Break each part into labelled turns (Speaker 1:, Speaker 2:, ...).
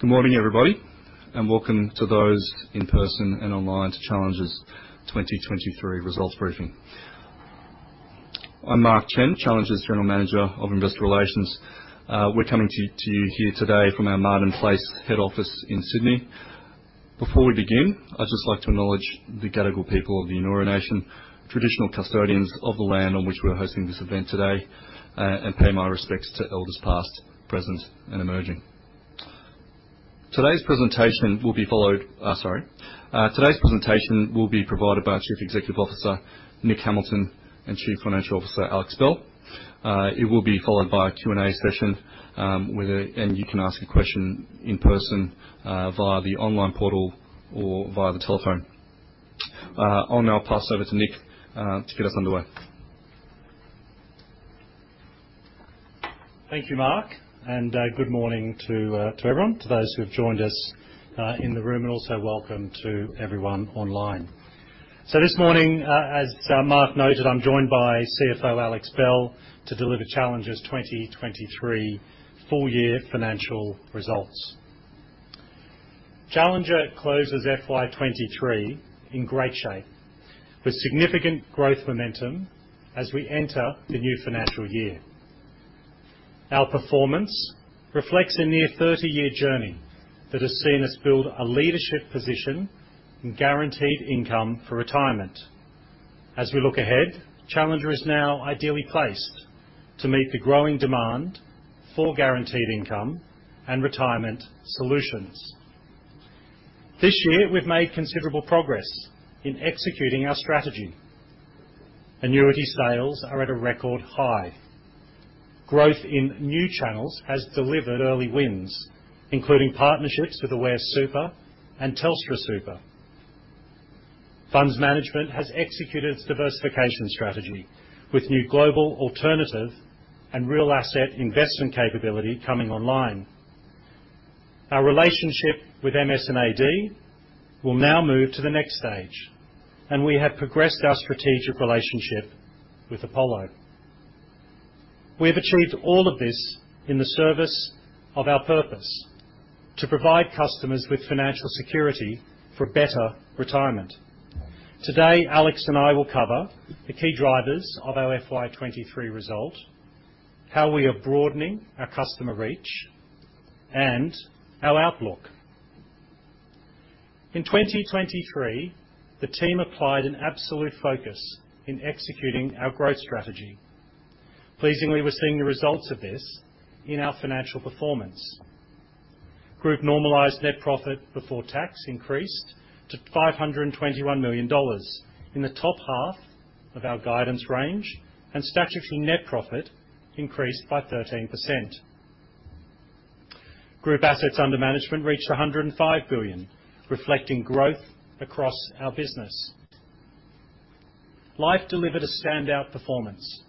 Speaker 1: Good morning, everybody, welcome to those in person and online to Challenger's 2023 results briefing. I'm Mark Chen, Challenger's General Manager of Investor Relations. We're coming to, to you here today from our Martin Place head office in Sydney. Before we begin, I'd just like to acknowledge the Gadigal people of the Eora Nation, traditional custodians of the land on which we're hosting this event today, and pay my respects to elders past, present, and emerging. Today's presentation will be followed... sorry. Today's presentation will be provided by our Chief Executive Officer, Nick Hamilton, and Chief Financial Officer, Alex Bell. It will be followed by a Q&A session, you can ask a question in person, via the online portal, or via the telephone. I'll now pass over to Nick to get us underway.
Speaker 2: Thank you, Mark, good morning to everyone, to those who have joined us in the room, and also welcome to everyone online. This morning, as Mark noted, I'm joined by CFO, Alex Bell, to deliver Challenger's 2023 full year financial results. Challenger closes FY23 in great shape, with significant growth momentum as we enter the new financial year. Our performance reflects a near 30-year journey that has seen us build a leadership position in guaranteed income for retirement. As we look ahead, Challenger is now ideally placed to meet the growing demand for guaranteed income and retirement solutions. This year, we've made considerable progress in executing our strategy. Annuity sales are at a record high. Growth in new channels has delivered early wins, including partnerships with Aware Super and TelstraSuper. Funds Management has executed its diversification strategy with new global alternative and real asset investment capability coming online. Our relationship with MS&AD will now move to the next stage. We have progressed our strategic relationship with Apollo. We have achieved all of this in the service of our purpose: to provide customers with financial security for better retirement. Today, Alex and I will cover the key drivers of our FY23 result, how we are broadening our customer reach. Our outlook. In 2023, the team applied an absolute focus in executing our growth strategy. Pleasingly, we're seeing the results of this in our financial performance. Group normalized net profit before tax increased to 521 million dollars in the top half of our guidance range. Statutory net profit increased by 13%. Group assets under management reached 105 billion, reflecting growth across our business. Challenger Life delivered a standout performance,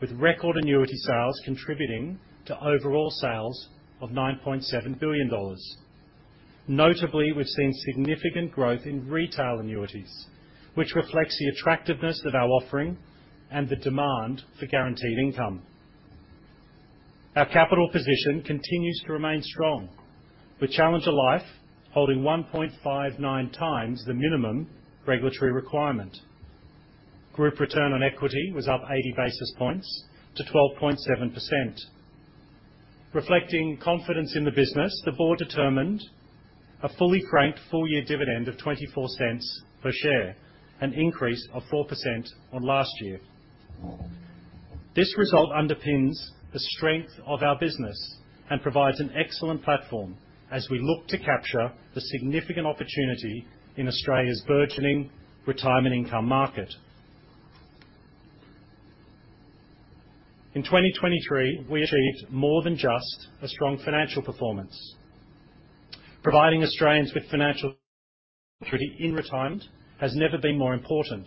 Speaker 2: with record annuity sales contributing to overall sales of 9.7 billion dollars. Notably, we've seen significant growth in retail annuities, which reflects the attractiveness of our offering and the demand for guaranteed income. Our capital position continues to remain strong, with Challenger Life holding 1.59 times the minimum regulatory requirement. Group return on equity was up 80 basis points to 12.7%. Reflecting confidence in the business, the board determined a fully franked full-year dividend of 0.24 per share, an increase of 4% on last year. This result underpins the strength of our business and provides an excellent platform as we look to capture the significant opportunity in Australia's burgeoning retirement income market. In 2023, we achieved more than just a strong financial performance. Providing Australians with financial security in retirement has never been more important,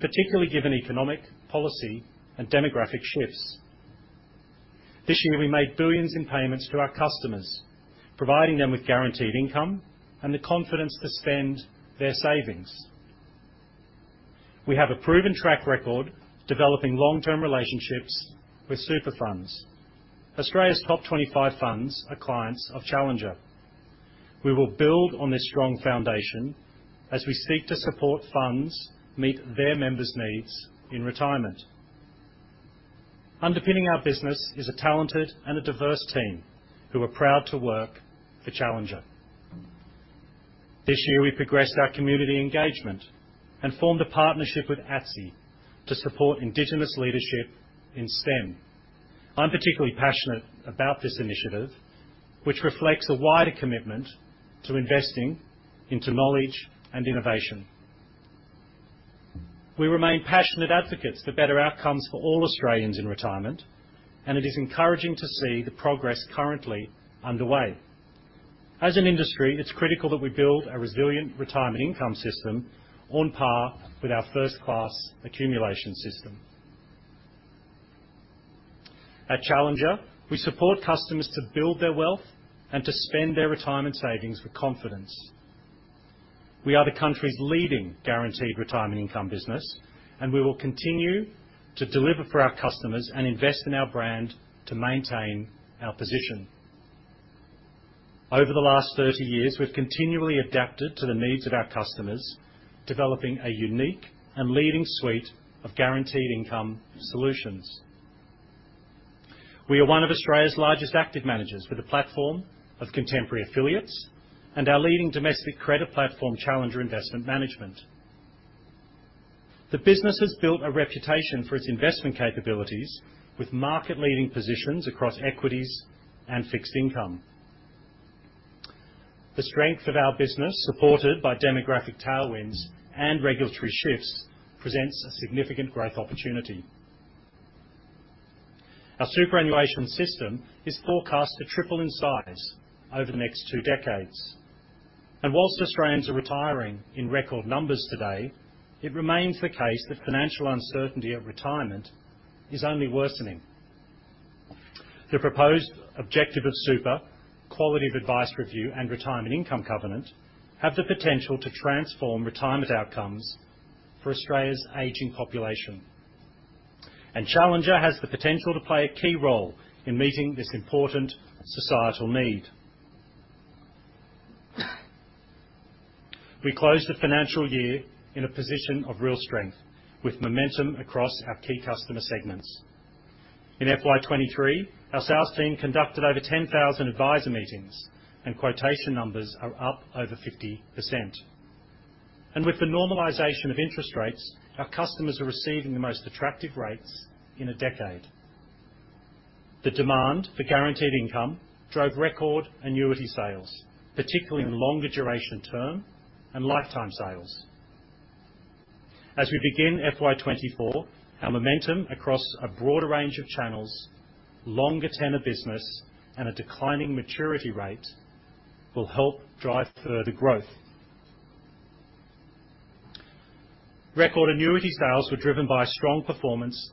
Speaker 2: particularly given economic, policy, and demographic shifts. This year, we made billions in payments to our customers, providing them with guaranteed income and the confidence to spend their savings. We have a proven track record of developing long-term relationships with super funds. Australia's top 25 funds are clients of Challenger. We will build on this strong foundation as we seek to support funds meet their members' needs in retirement. Underpinning our business is a talented and a diverse team who are proud to work for Challenger. This year, we progressed our community engagement and formed a partnership with ATSE to support indigenous leadership in STEM. I'm particularly passionate about this initiative, which reflects a wider commitment to investing into knowledge and innovation. We remain passionate advocates for better outcomes for all Australians in retirement, and it is encouraging to see the progress currently underway. As an industry, it's critical that we build a resilient retirement income system on par with our first-class accumulation system. At Challenger, we support customers to build their wealth and to spend their retirement savings with confidence. We are the country's leading guaranteed retirement income business, and we will continue to deliver for our customers and invest in our brand to maintain our position. Over the last 30 years, we've continually adapted to the needs of our customers, developing a unique and leading suite of guaranteed income solutions. We are one of Australia's largest active managers, with a platform of contemporary affiliates and our leading domestic credit platform, Challenger Investment Management. The business has built a reputation for its investment capabilities, with market-leading positions across equities and fixed income. The strength of our business, supported by demographic tailwinds and regulatory shifts, presents a significant growth opportunity. Our superannuation system is forecast to triple in size over the next two decades, and whilst Australians are retiring in record numbers today, it remains the case that financial uncertainty at retirement is only worsening. The proposed Objective of superannuation, Quality of Advice Review, and Retirement Income Covenant have the potential to transform retirement outcomes for Australia's aging population, and Challenger has the potential to play a key role in meeting this important societal need. We closed the financial year in a position of real strength, with momentum across our key customer segments. In FY23, our sales team conducted over 10,000 advisor meetings, and quotation numbers are up over 50%. With the normalization of interest rates, our customers are receiving the most attractive rates in a decade. The demand for guaranteed income drove record annuity sales, particularly longer duration term and lifetime sales. As we begin FY24, our momentum across a broader range of channels, longer tenure business, and a declining maturity rate will help drive further growth. Record annuity sales were driven by strong performance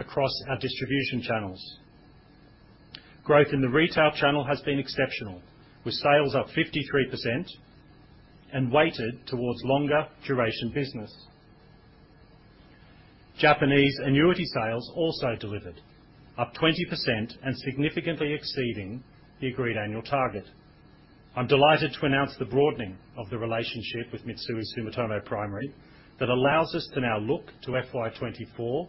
Speaker 2: across our distribution channels. Growth in the retail channel has been exceptional, with sales up 53% and weighted towards longer duration business. Japanese annuity sales also delivered, up 20% and significantly exceeding the agreed annual target. I'm delighted to announce the broadening of the relationship with Mitsui Sumitomo Primary, that allows us to now look to FY24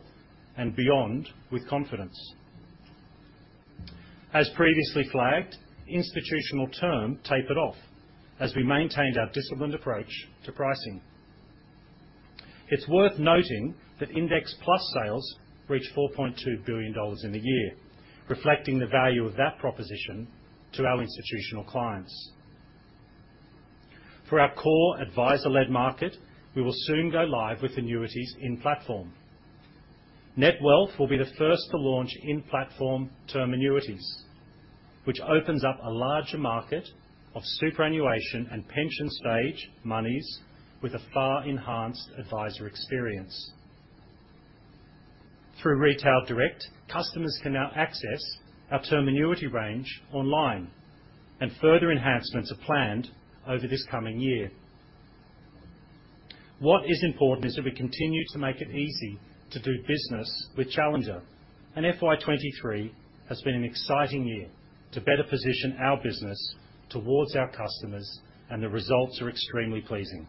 Speaker 2: and beyond with confidence. As previously flagged, institutional term tapered off as we maintained our disciplined approach to pricing. It's worth noting that Index Plus sales reached 4.2 billion dollars in the year, reflecting the value of that proposition to our institutional clients. For our core advisor-led market, we will soon go live with annuities in-platform. Netwealth will be the first to launch in-platform term annuities, which opens up a larger market of superannuation and pension stage monies with a far enhanced advisor experience. Through Retail Direct, customers can now access our term annuity range online, further enhancements are planned over this coming year. What is important is that we continue to make it easy to do business with Challenger, FY23 has been an exciting year to better position our business towards our customers, the results are extremely pleasing.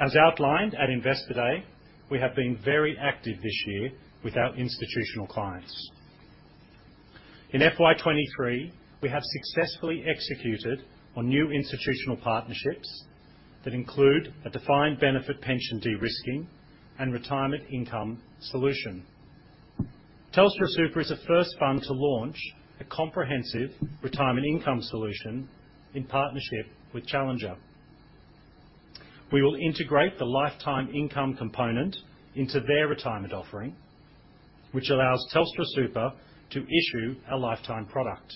Speaker 2: As outlined at Investor Day, we have been very active this year with our institutional clients. In FY23, we have successfully executed on new institutional partnerships that include a defined benefit pension de-risking and retirement income solution. TelstraSuper is the first fund to launch a comprehensive retirement income solution in partnership with Challenger. We will integrate the lifetime income component into their retirement offering, which allows TelstraSuper to issue a lifetime product.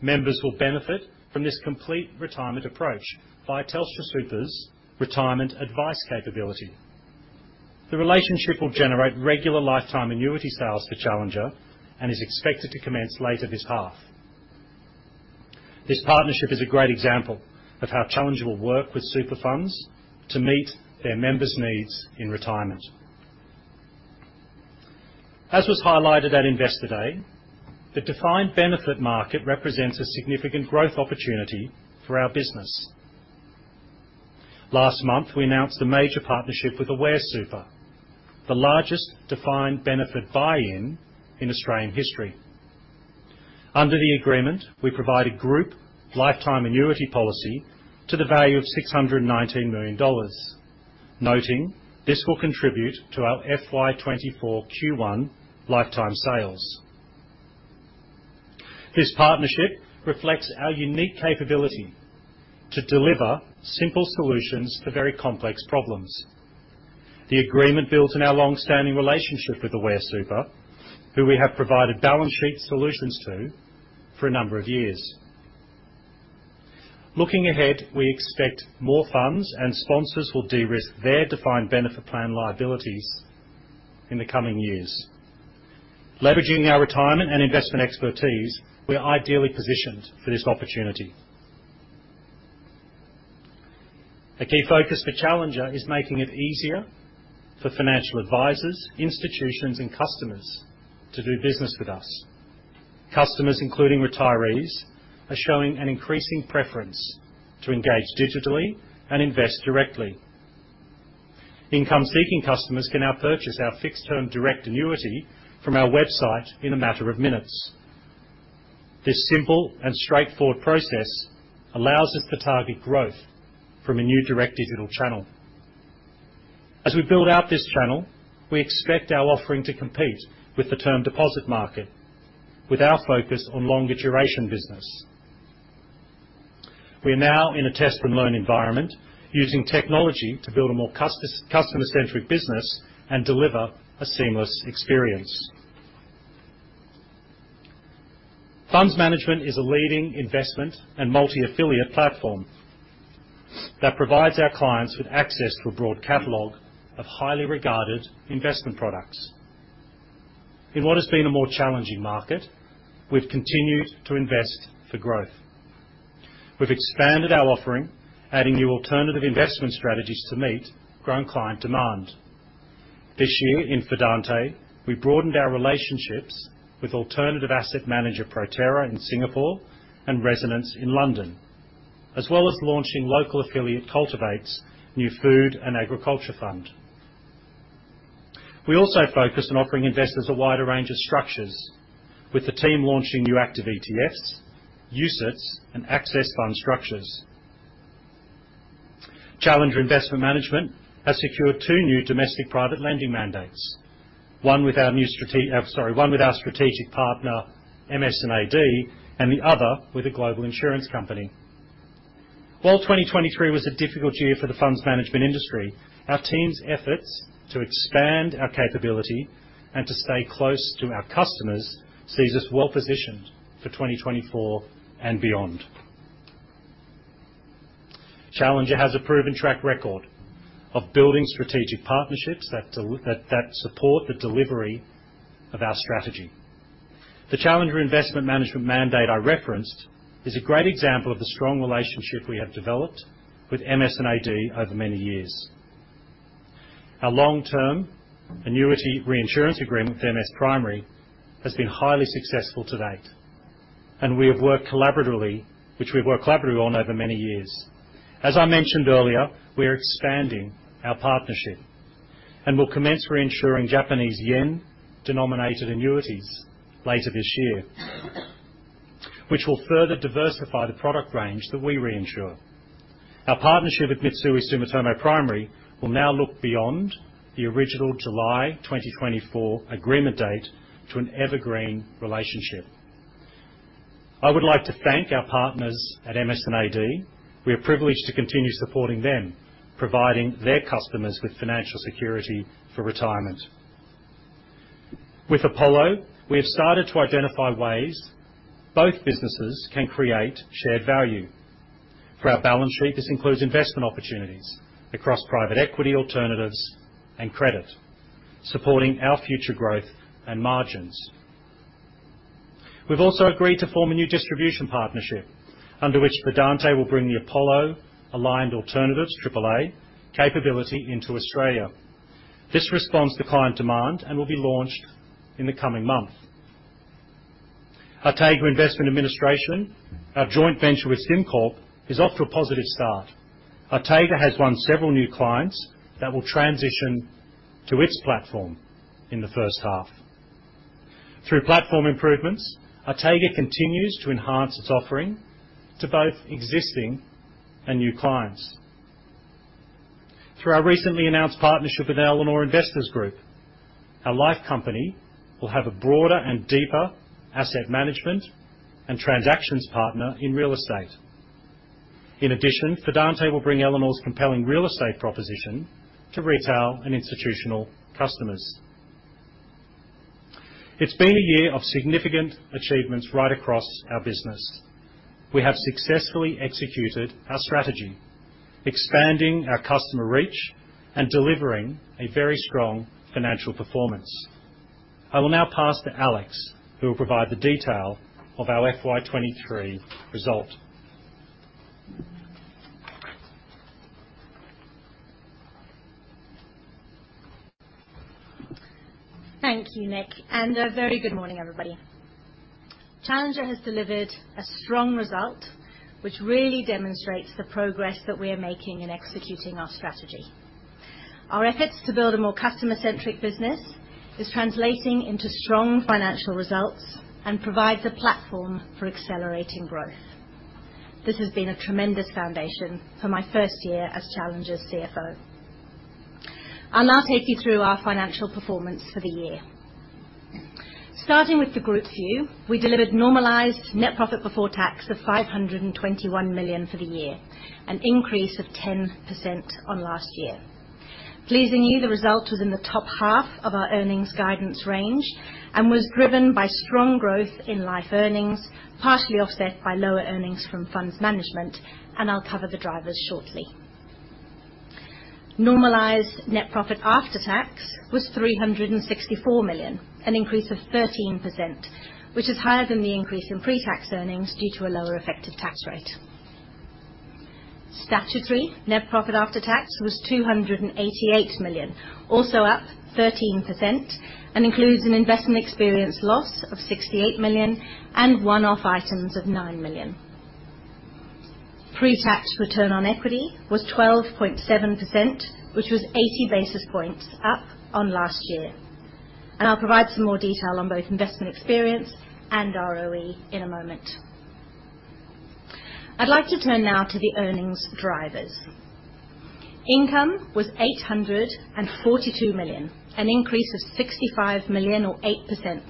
Speaker 2: Members will benefit from this complete retirement approach via TelstraSuper's retirement advice capability. The relationship will generate regular lifetime annuity sales for Challenger and is expected to commence later this half. This partnership is a great example of how Challenger will work with super funds to meet their members' needs in retirement. As was highlighted at Investor Day, the defined benefit market represents a significant growth opportunity for our business. Last month, we announced a major partnership with Aware Super, the largest defined benefit buy-in in Australian history. Under the agreement, we provide a group lifetime annuity policy to the value of 619 million dollars, noting this will contribute to our FY24 Q1 lifetime sales. This partnership reflects our unique capability to deliver simple solutions to very complex problems. The agreement builds on our long-standing relationship with Aware Super, who we have provided balance sheet solutions to for a number of years. Looking ahead, we expect more funds and sponsors will de-risk their defined benefit plan liabilities in the coming years. Leveraging our retirement and investment expertise, we are ideally positioned for this opportunity. A key focus for Challenger is making it easier for financial advisors, institutions, and customers to do business with us. Customers, including retirees, are showing an increasing preference to engage digitally and invest directly. Income-seeking customers can now purchase our fixed-term direct annuity from our website in a matter of minutes. This simple and straightforward process allows us to target growth from a new direct digital channel. As we build out this channel, we expect our offering to compete with the term deposit market, with our focus on longer duration business. We are now in a test and learn environment, using technology to build a more customer-centric business and deliver a seamless experience. Funds Management is a leading investment and multi-affiliate platform that provides our clients with access to a broad catalog of highly regarded investment products. In what has been a more challenging market, we've continued to invest for growth. We've expanded our offering, adding new alternative investment strategies to meet growing client demand. This year, in Fidante, we broadened our relationships with alternative asset manager Proterra in Singapore and Resonance in London, as well as launching local affiliate Cultivate's new food and agriculture fund. We also focused on offering investors a wider range of structures, with the team launching new active ETFs, UCITS, and access fund structures. Challenger Investment Management has secured two new domestic private lending mandates, sorry, one with our strategic partner, MS&AD, and the other with a global insurance company. While 2023 was a difficult year for the funds management industry, our team's efforts to expand our capability and to stay close to our customers sees us well positioned for 2024 and beyond. Challenger has a proven track record of building strategic partnerships that, that support the delivery of our strategy. The Challenger Investment Management mandate I referenced is a great example of the strong relationship we have developed with MS&AD over many years. Our long-term annuity reinsurance agreement with MS Primary has been highly successful to date, and we have worked collaboratively, which we've worked collaboratively on over many years. As I mentioned earlier, we are expanding our partnership and will commence reinsuring Japanese yen-denominated annuities later this year, which will further diversify the product range that we reinsure. Our partnership with Mitsui Sumitomo Primary will now look beyond the original July 2024 agreement date to an evergreen relationship. I would like to thank our partners at MS&AD. We are privileged to continue supporting them, providing their customers with financial security for retirement. With Apollo, we have started to identify ways both businesses can create shared value. For our balance sheet, this includes investment opportunities across private equity alternatives and credit, supporting our future growth and margins. We've also agreed to form a new distribution partnership, under which Fidante will bring the Apollo Aligned Alternatives, AAA, capability into Australia. This responds to client demand and will be launched in the coming month. Artega Investment Administration, our joint venture with SimCorp, is off to a positive start. Artega has won several new clients that will transition to its platform in the first half. Through platform improvements, Artega continues to enhance its offering to both existing and new clients. Through our recently announced partnership with Elanor Investors Group, our life company will have a broader and deeper asset management and transactions partner in real estate. In addition, Fidante will bring Elanor's compelling real estate proposition to retail and institutional customers. It's been a year of significant achievements right across our business. We have successfully executed our strategy, expanding our customer reach and delivering a very strong financial performance. I will now pass to Alex, who will provide the detail of our FY23 result.
Speaker 3: Thank you, Nick. A very good morning, everybody. Challenger has delivered a strong result, which really demonstrates the progress that we are making in executing our strategy. Our efforts to build a more customer-centric business is translating into strong financial results and provides a platform for accelerating growth. This has been a tremendous foundation for my first year as Challenger's CFO. I'll now take you through our financial performance for the year. Starting with the group view, we delivered normalized net profit before tax of 521 million for the year, an increase of 10% on last year. Pleasingly, the result was in the top half of our earnings guidance range and was driven by strong growth in life earnings, partially offset by lower earnings from Funds Management. I'll cover the drivers shortly. Normalized net profit after tax was 364 million, an increase of 13%, which is higher than the increase in pre-tax earnings due to a lower effective tax rate. Statutory net profit after tax was 288 million, also up 13%, and includes an investment experience loss of 68 million and one-off items of 9 million. Pre-tax return on equity was 12.7%, which was 80 basis points up on last year. I'll provide some more detail on both investment experience and ROE in a moment. I'd like to turn now to the earnings drivers. Income was 842 million, an increase of 65 million, or 8%,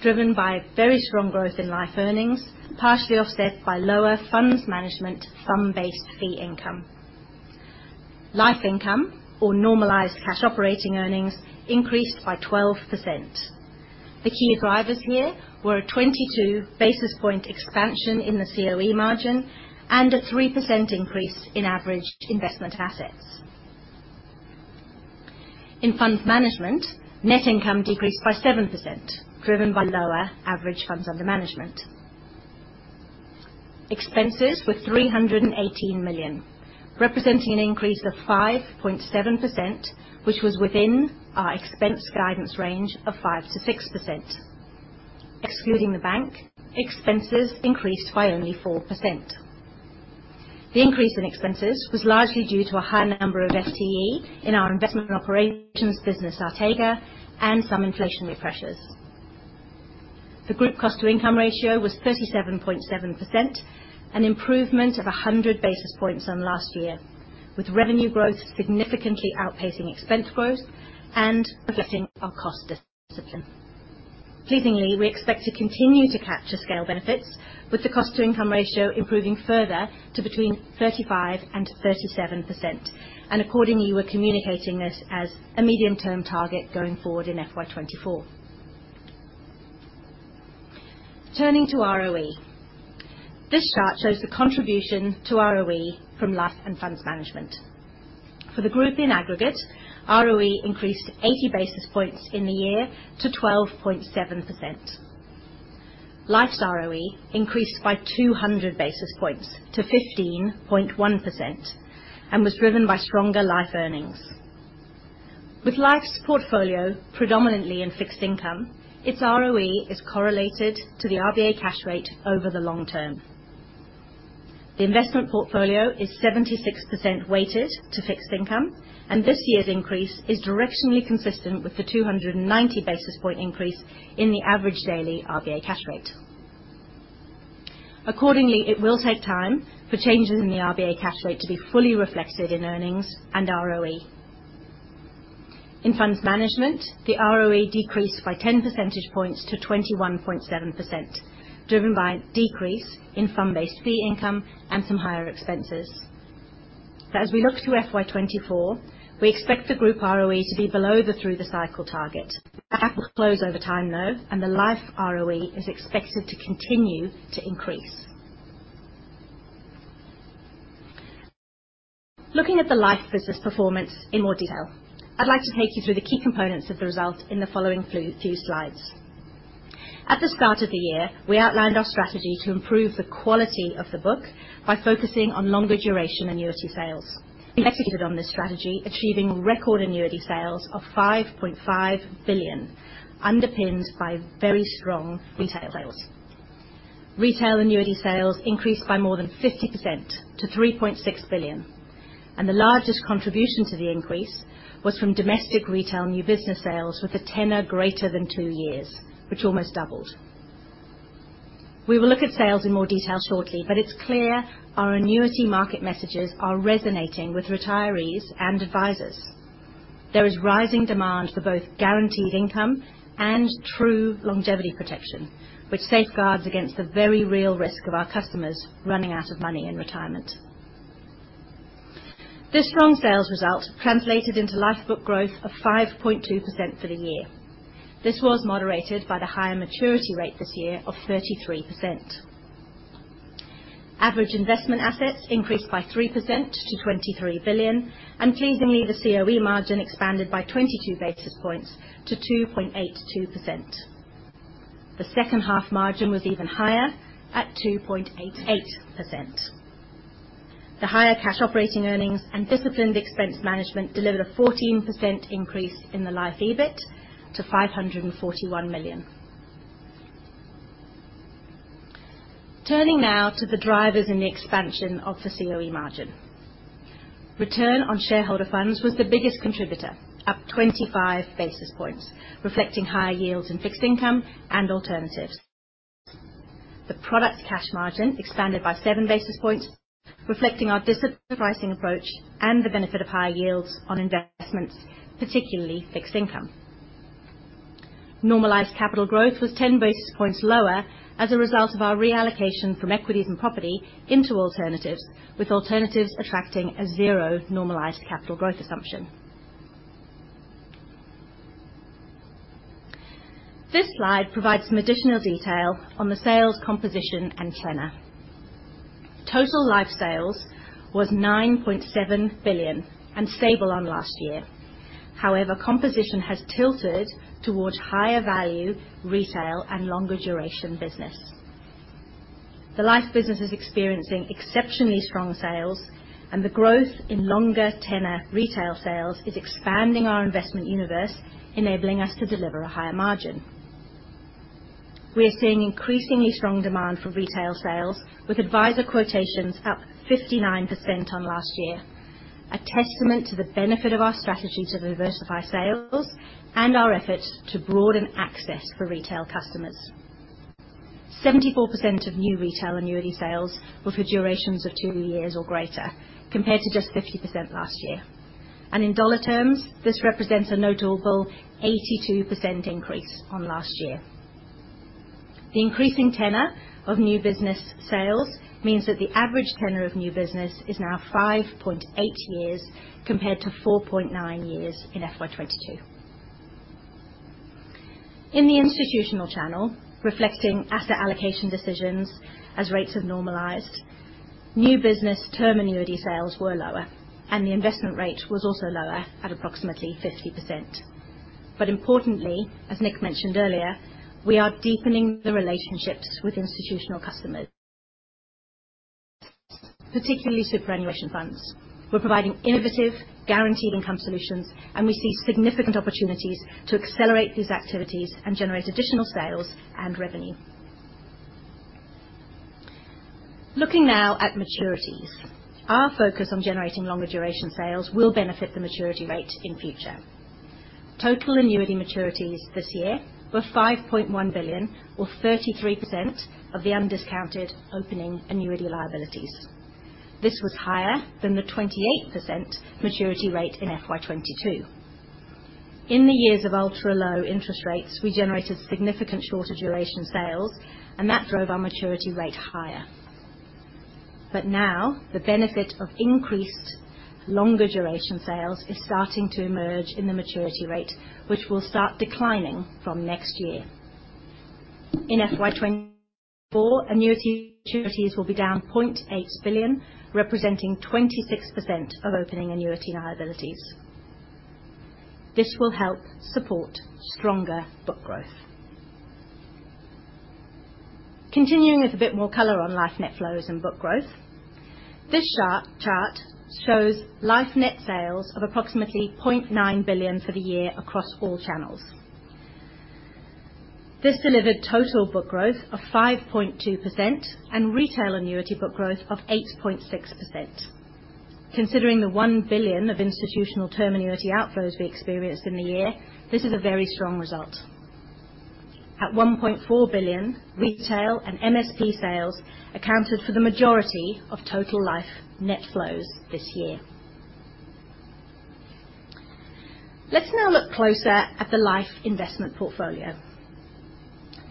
Speaker 3: driven by very strong growth in Life earnings, partially offset by lower Funds Management, fund-based fee income. Life income or normalized Cash operating earnings increased by 12%. The key drivers here were a 22 basis point expansion in the COE margin and a 3% increase in average investment assets. In Funds Management, net income decreased by 7%, driven by lower average funds under management. Expenses were 318 million, representing an increase of 5.7%, which was within our expense guidance range of 5%-6%. Excluding the bank, expenses increased by only 4%. The increase in expenses was largely due to a high number of FTE in our investment operations business, Artega, and some inflationary pressures. The group cost-to-income ratio was 37.7%, an improvement of 100 basis points on last year, with revenue growth significantly outpacing expense growth and reflecting our cost discipline. Pleasingly, we expect to continue to capture scale benefits with the cost-to-income ratio improving further to between 35% and 37%, and accordingly, we're communicating this as a medium-term target going forward in FY24. Turning to ROE. This chart shows the contribution to ROE from Life and Funds Management. For the group in aggregate, ROE increased 80 basis points in the year to 12.7%. Life's ROE increased by 200 basis points to 15.1% and was driven by stronger Life earnings. With Life's portfolio predominantly in fixed income, its ROE is correlated to the RBA cash rate over the long term. The investment portfolio is 76% weighted to fixed income, and this year's increase is directionally consistent with the 290 basis point increase in the average daily RBA cash rate. Accordingly, it will take time for changes in the RBA cash rate to be fully reflected in earnings and ROE. In Funds Management, the ROE decreased by 10 percentage points to 21.7%, driven by a decrease in fund-based fee income and some higher expenses. As we look to FY24, we expect the group ROE to be below the through-the-cycle target. The gap will close over time, though, and the life ROE is expected to continue to increase. Looking at the life business performance in more detail, I'd like to take you through the key components of the result in the following few slides. At the start of the year, we outlined our strategy to improve the quality of the book by focusing on longer duration annuity sales. We executed on this strategy, achieving record annuity sales of 5.5 billion, underpinned by very strong retail sales. Retail annuity sales increased by more than 50% to 3.6 billion. The largest contribution to the increase was from domestic retail new business sales with a tenor greater than 2 years, which almost doubled. We will look at sales in more detail shortly. It's clear our annuity market messages are resonating with retirees and advisors. There is rising demand for both guaranteed income and true longevity protection, which safeguards against the very real risk of our customers running out of money in retirement. This strong sales result translated into lifebook growth of 5.2% for the year. This was moderated by the higher maturity rate this year of 33%. Average investment assets increased by 3% to 23 billion. Pleasingly, the COE margin expanded by 22 basis points to 2.82%. The second half margin was even higher at 2.8%. The higher cash operating earnings and disciplined expense management delivered a 14% increase in the life EBIT to 541 million. Turning now to the drivers in the expansion of the COE margin. Return on shareholder funds was the biggest contributor, up 25 basis points, reflecting higher yields in fixed income and alternatives. The product cash margin expanded by 7 basis points, reflecting our disciplined pricing approach and the benefit of higher yields on investments, particularly fixed income. Normalised capital growth was 10 basis points lower as a result of our reallocation from equities and property into alternatives, with alternatives attracting a zero normalised capital growth assumption. This slide provides some additional detail on the sales composition and tenure. Total life sales was 9.7 billion and stable on last year. However, composition has tilted towards higher value retail and longer duration business. The life business is experiencing exceptionally strong sales. The growth in longer tenure retail sales is expanding our investment universe, enabling us to deliver a higher margin. We are seeing increasingly strong demand for retail sales, with advisor quotations up 59% on last year, a testament to the benefit of our strategy to diversify sales and our efforts to broaden access for retail customers. 74% of new retail annuity sales were for durations of two years or greater, compared to just 50% last year. In dollar terms, this represents a notable 82% increase on last year. The increasing tenure of new business sales means that the average tenure of new business is now 5.8 years, compared to 4.9 years in FY22. In the institutional channel, reflecting asset allocation decisions as rates have normalized, new business term annuity sales were lower, and the investment rate was also lower at approximately 50%. Importantly, as Nick mentioned earlier, we are deepening the relationships with institutional customers, particularly superannuation funds. We're providing innovative, guaranteed income solutions, and we see significant opportunities to accelerate these activities and generate additional sales and revenue. Looking now at maturities. Our focus on generating longer duration sales will benefit the maturity rate in future. Total annuity maturities this year were 5.1 billion or 33% of the undiscounted opening annuity liabilities. This was higher than the 28% maturity rate in FY22. In the years of ultra-low interest rates, we generated significant shorter duration sales. That drove our maturity rate higher. Now, the benefit of increased longer duration sales is starting to emerge in the maturity rate, which will start declining from next year. In FY24, annuity maturities will be down 0.8 billion, representing 26% of opening annuity liabilities. This will help support stronger book growth. Continuing with a bit more color on Life net flows and book growth. This chart shows Life net sales of approximately 0.9 billion for the year across all channels. This delivered total book growth of 5.2% and retail annuity book growth of 8.6%. Considering the 1 billion of institutional term annuity outflows we experienced in the year, this is a very strong result. At 1.4 billion, retail and MSP sales accounted for the majority of total Life net flows this year. Let's now look closer at the Life investment portfolio.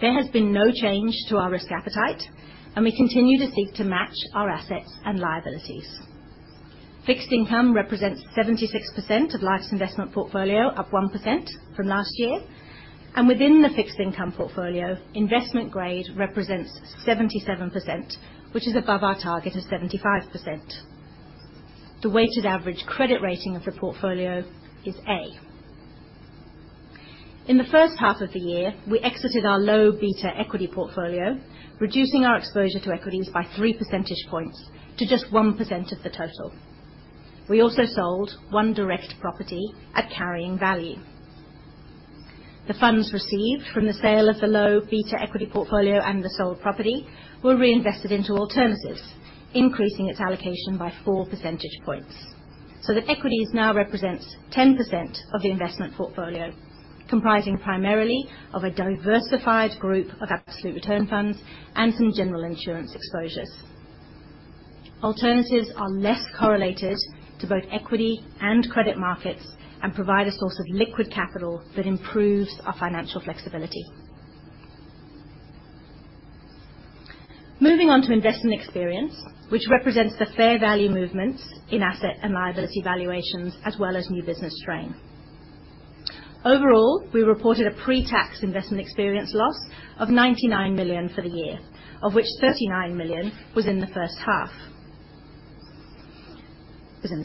Speaker 3: There has been no change to our risk appetite, and we continue to seek to match our assets and liabilities. Fixed income represents 76% of Life's investment portfolio, up 1% from last year, and within the fixed income portfolio, investment grade represents 77, which is above our target of 75%. The weighted average credit rating of the portfolio is A. In the first half of the year, we exited our low beta equity portfolio, reducing our exposure to equities by 3 percentage points to just 1% of the total. We also sold one direct property at carrying value. The funds received from the sale of the low beta equity portfolio and the sold property were reinvested into alternatives, increasing its allocation by 4 percentage points. That equities now represents 10% of the investment portfolio, comprising primarily of a diversified group of absolute return funds and some general insurance exposures. Alternatives are less correlated to both equity and credit markets and provide a source of liquid capital that improves our financial flexibility. Moving on to investment experience, which represents the fair value movements in asset and liability valuations, as well as new business strain. Overall, we reported a pre-tax investment experience loss of 99 million for the year, of which 39 million was in the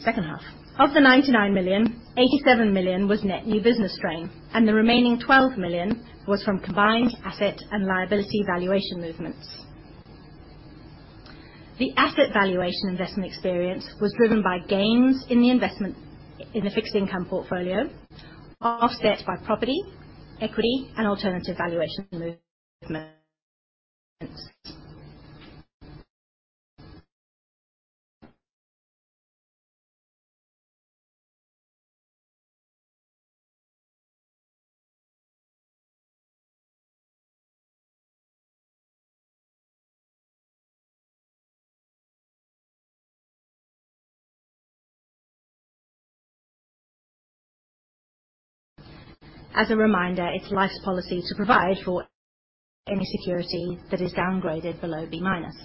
Speaker 3: second half. Of the 99 million, 87 million was net new business strain, and the remaining 12 million was from combined asset and liability valuation movements. The asset valuation investment experience was driven by gains in the investment in the fixed income portfolio, offset by property, equity, and alternative valuation movements. As a reminder, it's Life's policy to provide for any security that is downgraded below B minus.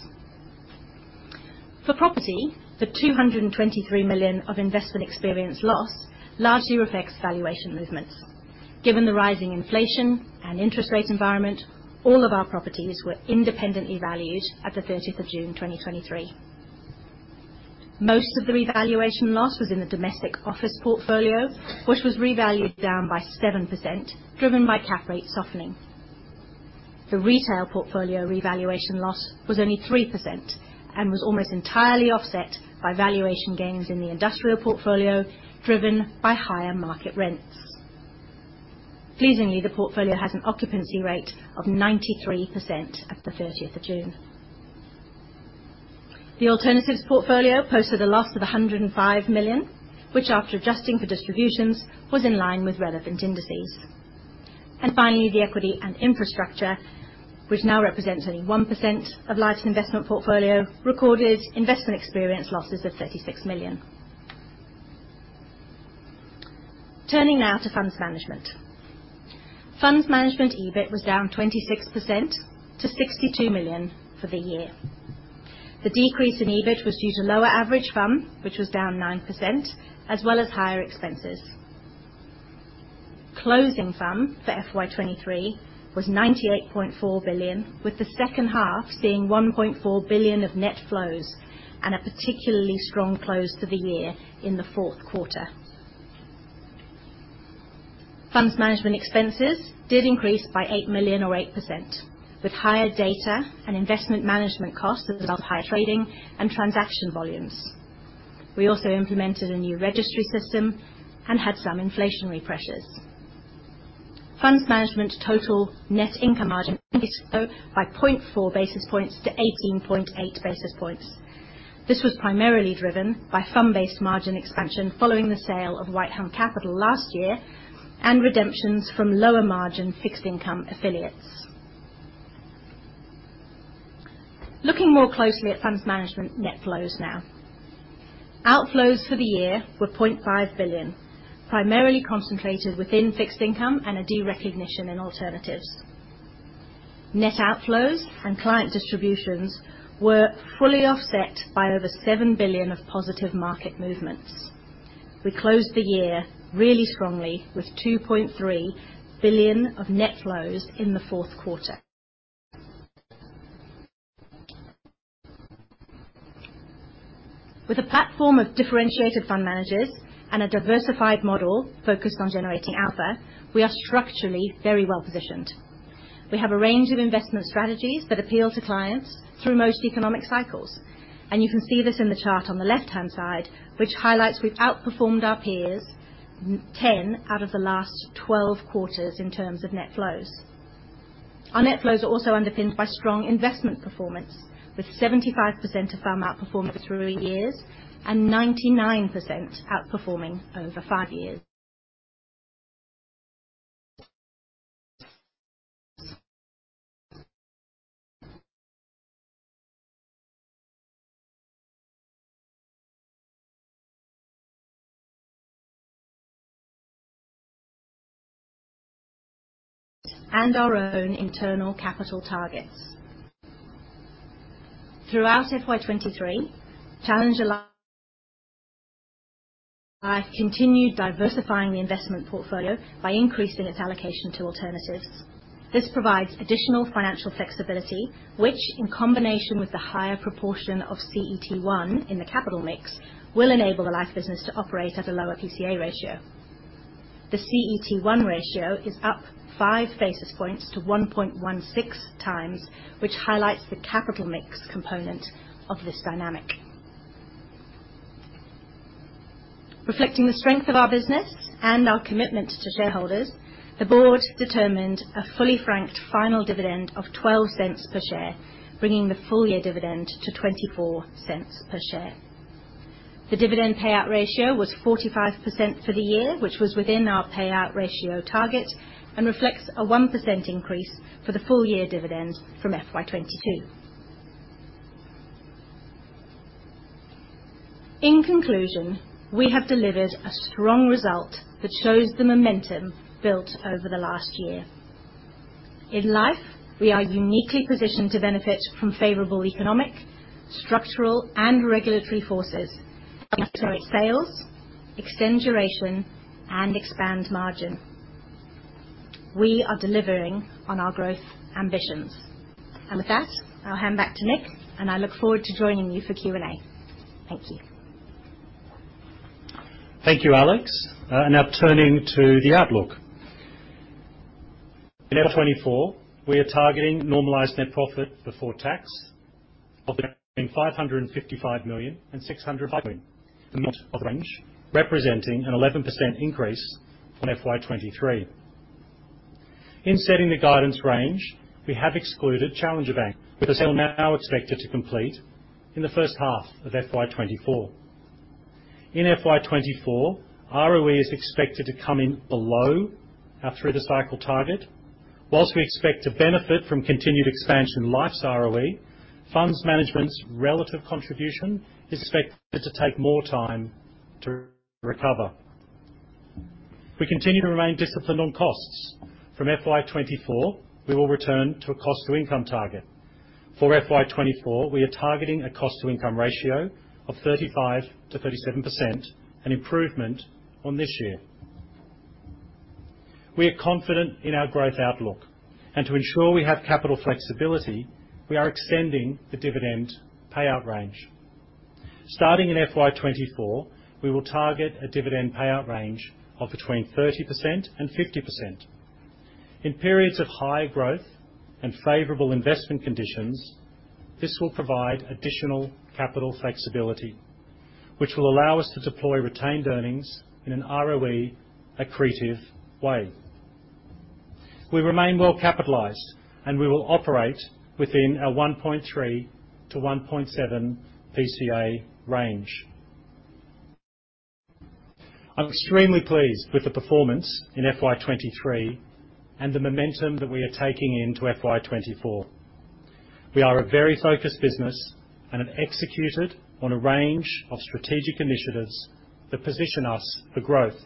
Speaker 3: For property, the 223 million of investment experience loss largely reflects valuation movements. Given the rising inflation and interest rate environment, all of our properties were independently valued at June 30, 2023. Most of the revaluation loss was in the domestic office portfolio, which was revalued down by 7%, driven by cap rate softening. The retail portfolio revaluation loss was only 3% and was almost entirely offset by valuation gains in the industrial portfolio, driven by higher market rents. Pleasingly, the portfolio has an occupancy rate of 93% at June 30. Finally, the equity and infrastructure, which now represents only 1% of Life's investment portfolio, recorded investment experience losses of 36 million. Turning now to Funds Management. Funds Management EBIT was down 26% to 62 million for the year. The decrease in EBIT was due to lower average FUM, which was down 9%, as well as higher expenses. Closing FUM for FY23 was 98.4 billion, with the second half seeing 1.4 billion of net flows and a particularly strong close to the year in the fourth quarter. Funds Management expenses did increase by 8 million or 8%, with higher data and investment management costs as a result of higher trading and transaction volumes. We also implemented a new registry system and had some inflationary pressures. Funds Management total net income margin by 0.4 basis points to 18.8 basis points. This was primarily driven by FUM-based margin expansion following the sale of Whitehelm Capital last year, and redemptions from lower margin fixed income affiliates. Looking more closely at Funds Management net flows now. Outflows for the year were 0.5 billion, primarily concentrated within fixed income and a derecognition in alternatives. Net outflows and client distributions were fully offset by over 7 billion of positive market movements. We closed the year really strongly, with 2.3 billion of net flows in the fourth quarter. With a platform of differentiated fund managers and a diversified model focused on generating alpha, we are structurally very well positioned. We have a range of investment strategies that appeal to clients through most economic cycles, and you can see this in the chart on the left-hand side, which highlights we've outperformed our peers 10 out of the last 12 quarters in terms of net flows. Our net flows are also underpinned by strong investment performance, with 75% of FUM outperforming over 3 years and 99% outperforming over 5 years. Our own internal capital targets. Throughout FY23, Challenger Life continued diversifying the investment portfolio by increasing its allocation to alternatives. This provides additional financial flexibility, which, in combination with the higher proportion of CET1 in the capital mix, will enable the Life business to operate at a lower PCA ratio. The CET1 ratio is up 5 basis points to 1.16 times, which highlights the capital mix component of this dynamic. Reflecting the strength of our business and our commitment to shareholders, the board determined a fully franked final dividend of 0.12 per share, bringing the full year dividend to 0.24 per share. The dividend payout ratio was 45% for the year, which was within our payout ratio target, and reflects a 1% increase for the full year dividends from FY22. In conclusion, we have delivered a strong result that shows the momentum built over the last year. In Life, we are uniquely positioned to benefit from favorable economic, structural, and regulatory forces, increase sales, extend duration, and expand margin. We are delivering on our growth ambitions. With that, I'll hand back to Nick, and I look forward to joining you for Q&A. Thank you.
Speaker 2: Thank you, Alex. Now turning to the outlook. In FY24, we are targeting normalized net profit before tax of between 555 million and 600 million. The middle of the range, representing an 11% increase from FY23. In setting the guidance range, we have excluded Challenger Bank, which is now expected to complete in the first half of FY24. In FY24, ROE is expected to come in below our through-the-cycle target. Whilst we expect to benefit from continued expansion in Life's ROE, Funds Management's relative contribution is expected to take more time to recover. We continue to remain disciplined on costs. From FY24, we will return to a cost-to-income target. For FY24, we are targeting a cost-to-income ratio of 35%-37%, an improvement on this year. We are confident in our growth outlook, and to ensure we have capital flexibility, we are extending the dividend payout range. Starting in FY24, we will target a dividend payout range of between 30% and 50%. In periods of high growth and favorable investment conditions, this will provide additional capital flexibility, which will allow us to deploy retained earnings in an ROE accretive way. We remain well capitalized, and we will operate within a 1.3-1.7 PCA range. I'm extremely pleased with the performance in FY23 and the momentum that we are taking into FY24. We are a very focused business and have executed on a range of strategic initiatives that position us for growth,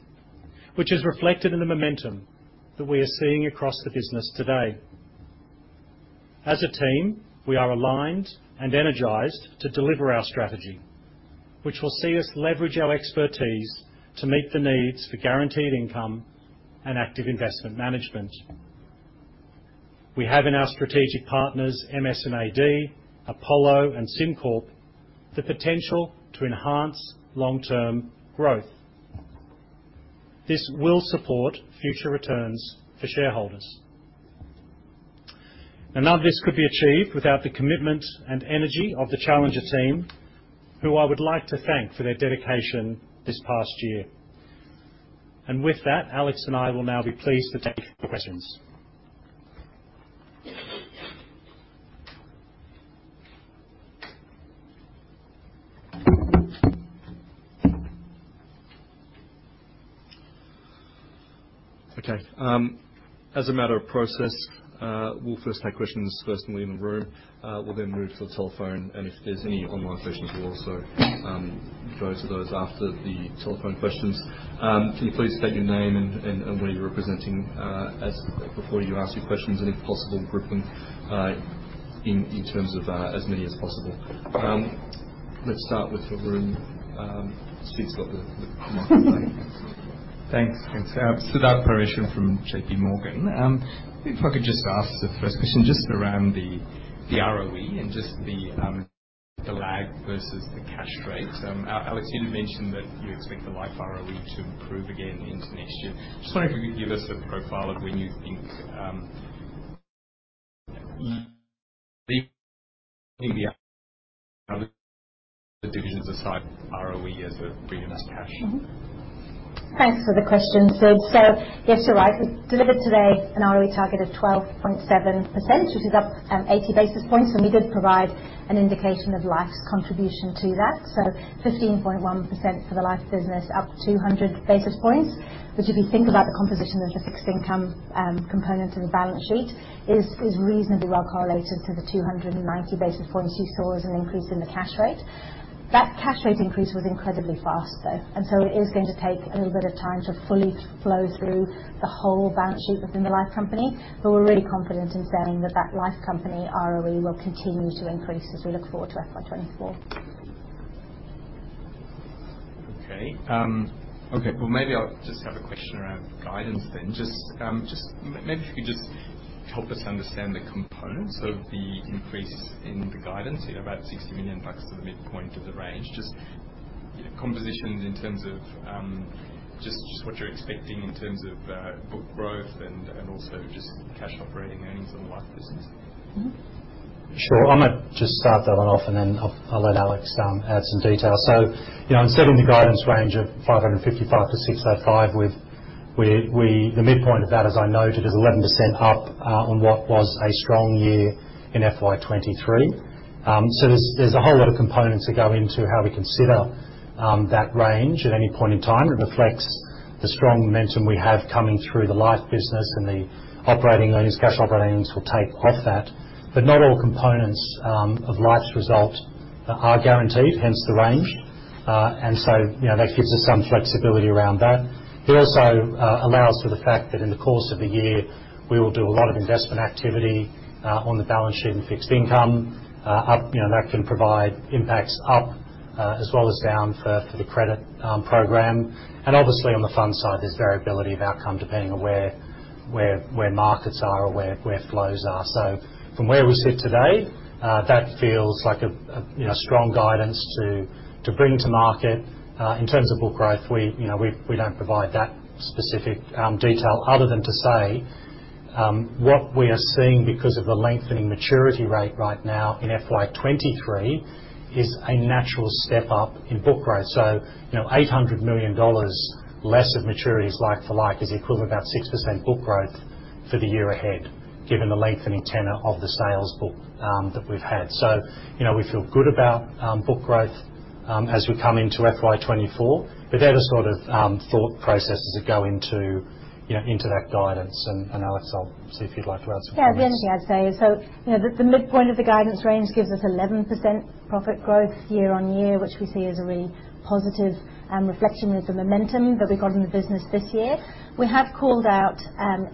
Speaker 2: which is reflected in the momentum that we are seeing across the business today. As a team, we are aligned and energized to deliver our strategy, which will see us leverage our expertise to meet the needs for guaranteed income and active investment management. We have in our strategic partners, MS&AD, Apollo, and SimCorp, the potential to enhance long-term growth. This will support future returns for shareholders. None of this could be achieved without the commitment and energy of the Challenger team, who I would like to thank for their dedication this past year. With that, Alex and I will now be pleased to take questions.
Speaker 1: Okay, as a matter of process, we'll first take questions personally in the room. We'll then move to the telephone, and if there's any online questions, we'll also go to those after the telephone questions. Can you please state your name and, and, and where you're representing, as before you ask your questions, any possible grouping, in, in terms of, as many as possible? Let's start with the room. Steve's got the, the microphone.
Speaker 4: Thanks. Thanks. Siddharth Parameswaran from JPMorgan. If I could just ask the first question, just around the ROE and just the lag versus the cash rate. Alex, you had mentioned that you expect the Life ROE to improve again into next year. Just wondering if you could give us a profile of when you think the divisions aside, ROE as it brings in us cash.
Speaker 3: Mm-hmm. Thanks for the question. Yes, you're right. We delivered today an ROE target of 12.7%, which is up 80 basis points, and we did provide an indication of Life's contribution to that. Fifteen point one percent for the Life business, up 200 basis points, which, if you think about the composition of the fixed income component of the balance sheet, is reasonably well correlated to the 290 basis points you saw as an increase in the cash rate. That cash rate increase was incredibly fast, though, and so it is going to take a little bit of time to fully flow through the whole balance sheet within the Life company. We're really confident in saying that that Life company ROE will continue to increase as we look forward to FY24.
Speaker 4: Okay, well, maybe I'll just have a question around guidance then. Just maybe if you could just help us understand the components of the increase in the guidance, you know, about 60 million bucks to the midpoint of the range, just, you know, compositions in terms of just, just what you're expecting in terms of book growth and also just cash operating earnings in the Life business?
Speaker 3: Mm-hmm.
Speaker 2: Sure. I'm going to just start that one off, and then I'll, I'll let Alex add some detail. You know, in setting the guidance range of 555-605, with we, we - the midpoint of that, as I noted, is 11% up on what was a strong year in FY23. There's, there's a whole lot of components that go into how we consider that range at any point in time. It reflects the strong momentum we have coming through the Life business and the operating earnings. Cash operating earnings will take off that, but not all components of Life's result are guaranteed, hence the range. You know, that gives us some flexibility around that. It also allows for the fact that in the course of the year, we will do a lot of investment activity on the balance sheet and fixed income up, you know, and that can provide impacts up as well as down for, for the credit program. Obviously on the fund side, there's variability of outcome depending on where, where, where markets are or where, where flows are. From where we sit today, that feels like a, a, you know, strong guidance to, to bring to market. In terms of book growth, we, you know, we, we don't provide that specific detail other than to say. What we are seeing because of the lengthening maturity rate right now in FY23 is a natural step up in book growth. you know, 800 million dollars less of maturities, like for like, is equivalent about 6% book growth for the year ahead, given the lengthening tenor of the sales book that we've had. you know, we feel good about book growth as we come into FY24. They're the sort of thought processes that go into, you know, into that guidance. and Alex, I'll see if you'd like to add something.
Speaker 3: Yeah, the only thing I'd say is, so, you know, the midpoint of the guidance range gives us 11% profit growth year-over-year, which we see as a really positive reflection of the momentum that we've got in the business this year. We have called out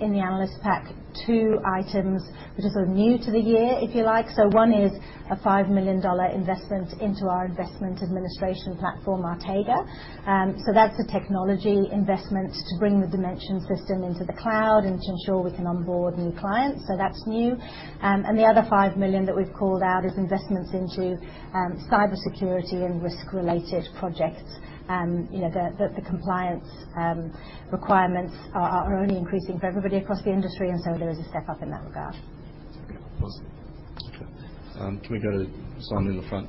Speaker 3: in the analyst pack two items which are sort of new to the year, if you like. One is a 5 million dollar investment into our investment administration platform, Artega. That's the technology investment to bring the Dimension system into the cloud and to ensure we can onboard new clients. That's new. The other 5 million that we've called out is investments into cybersecurity and risk-related projects. You know, the, the, the compliance requirements are, are only increasing for everybody across the industry, and so there is a step up in that regard.
Speaker 2: Okay, awesome. Can we go to Simon in the front?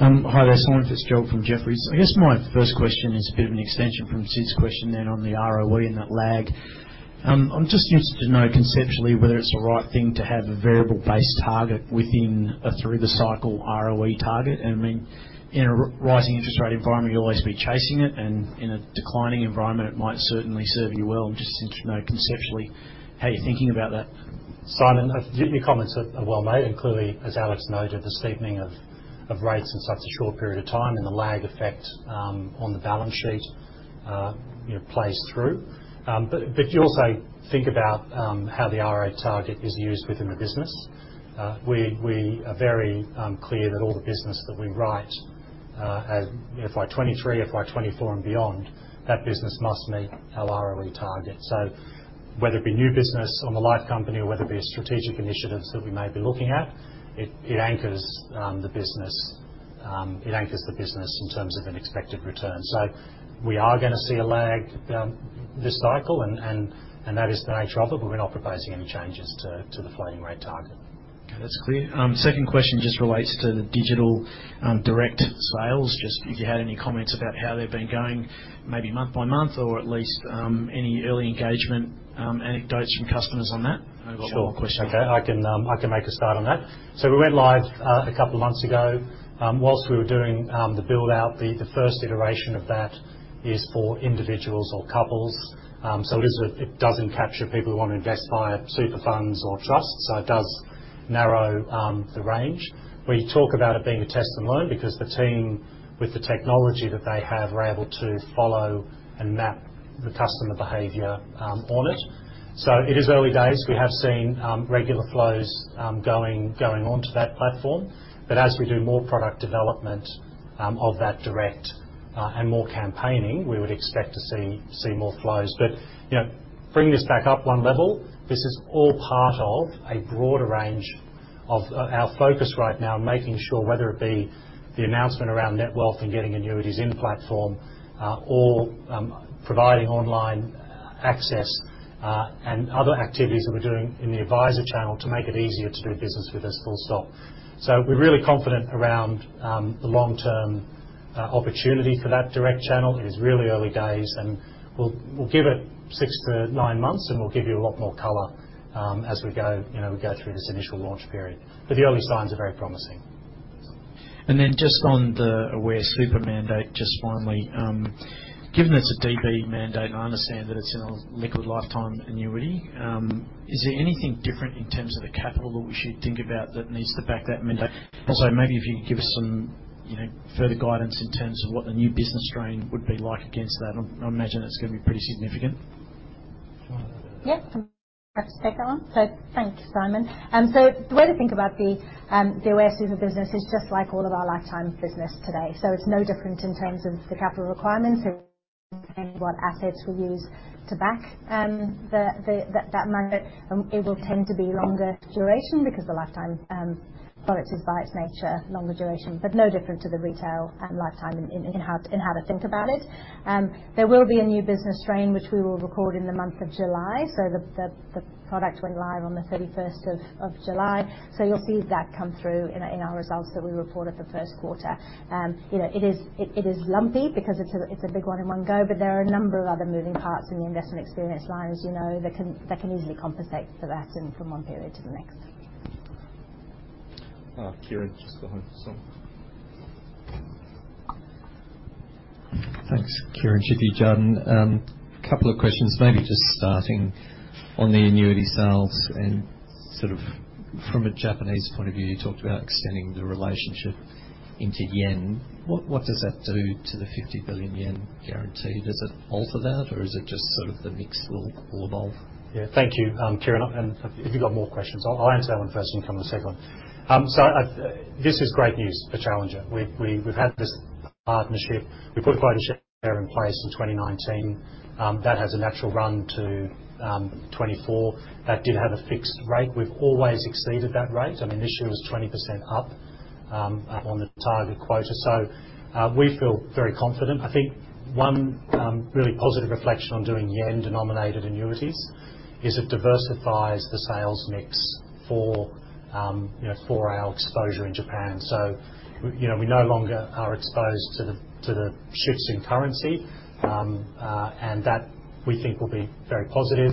Speaker 5: Hi there, Simon Fitzgerald from Jefferies. I guess my first question is a bit of an extension from Sid's question then on the ROE and that lag. I'm just interested to know conceptually whether it's the right thing to have a variable-based target within a through-the-cycle ROE target. I mean, in a rising interest rate environment, you'll always be chasing it, and in a declining environment, it might certainly serve you well. Just since, you know, conceptually, how you're thinking about that?
Speaker 2: Simon, your comments are well made, clearly, as Alex noted, the steepening of rates in such a short period of time and the lag effect on the balance sheet, you know, plays through. You also think about how the ROE target is used within the business. We are very clear that all the business that we write at FY23, FY24, and beyond, that business must meet our ROE target. Whether it be new business on the Life Company, or whether it be strategic initiatives that we may be looking at, it, it anchors the business, it anchors the business in terms of an expected return. We are gonna see a lag, this cycle, and that is the nature of it, but we're not proposing any changes to the floating rate target.
Speaker 5: Okay, that's clear. Second question just relates to the digital, direct sales. Just if you had any comments about how they've been going, maybe month by month, or at least, any early engagement, anecdotes from customers on that? I've got one more question.
Speaker 2: Sure. Okay, I can make a start on that. We went live a couple of months ago. Whilst we were doing the build-out, the first iteration of that is for individuals or couples. It doesn't capture people who want to invest via super funds or trusts. It does narrow the range. We talk about it being a test and learn because the team, with the technology that they have, are able to follow and map the customer behavior on it. It is early days. We have seen regular flows going onto that platform. As we do more product development of that direct and more campaigning, we would expect to see more flows. You know, bringing this back up one level, this is all part of a broader range of, of our focus right now, making sure whether it be the announcement around Netwealth and getting annuities in the platform, or providing online access, and other activities that we're doing in the advisor channel to make it easier to do business with us full stop. We're really confident around the long-term opportunity for that direct channel. It is really early days, and we'll, we'll give it 6-9 months, and we'll give you a lot more color as we go, you know, we go through this initial launch period. The early signs are very promising.
Speaker 5: And then just on the Aware Super mandate, just finally, given it's a DB mandate, I understand that it's in a liquid lifetime annuity. Is there anything different in terms of the capital that we should think about that needs to back that mandate? Also, maybe if you could give us some, you know, further guidance in terms of what the new business strain would be like against that. I, I imagine it's gonna be pretty significant.
Speaker 3: Yeah, I'm happy to take that one. Thank you, Simon. The way to think about the Aware Super business is just like all of our lifetime business today, it's no different in terms of the capital requirements or what assets we use to back that mandate. It will tend to be longer duration because the lifetime product is, by its nature, longer duration, but no different to the retail and lifetime in how to think about it. There will be a new business strain, which we will record in the month of July. The product went live on the 31st of July, so you'll see that come through in our results that we report at the first quarter. You know, it is, it, it is lumpy because it's a, it's a big one in one go, but there are a number of other moving parts in the investment experience lines, you know, that can, that can easily compensate for that from one period to the next.
Speaker 2: Kieran, just go ahead.
Speaker 6: Thanks. Kieren Chidgey, Jarden. A couple of questions, maybe just starting on the annuity sales and sort of from a Japanese point of view, you talked about extending the relationship into yen. What, what does that do to the 50 billion yen guarantee? Does it alter that, or is it just sort of the mix will, will evolve?
Speaker 2: Yeah. Thank you, Kieran, and if, if you've got more questions, I'll, I'll answer that one first and come to the second one. I, this is great news for Challenger. We've, we've, we've had this partnership. We put a quota share in place in 2019. That has a natural run to 2024. That did have a fixed rate. We've always exceeded that rate. I mean, this year was 20% up on the target quota. We feel very confident. I think one really positive reflection on doing yen-denominated annuities is it diversifies the sales mix for, you know, for our exposure in Japan. You know, we no longer are exposed to the, to the shifts in currency, that we think will be very positive....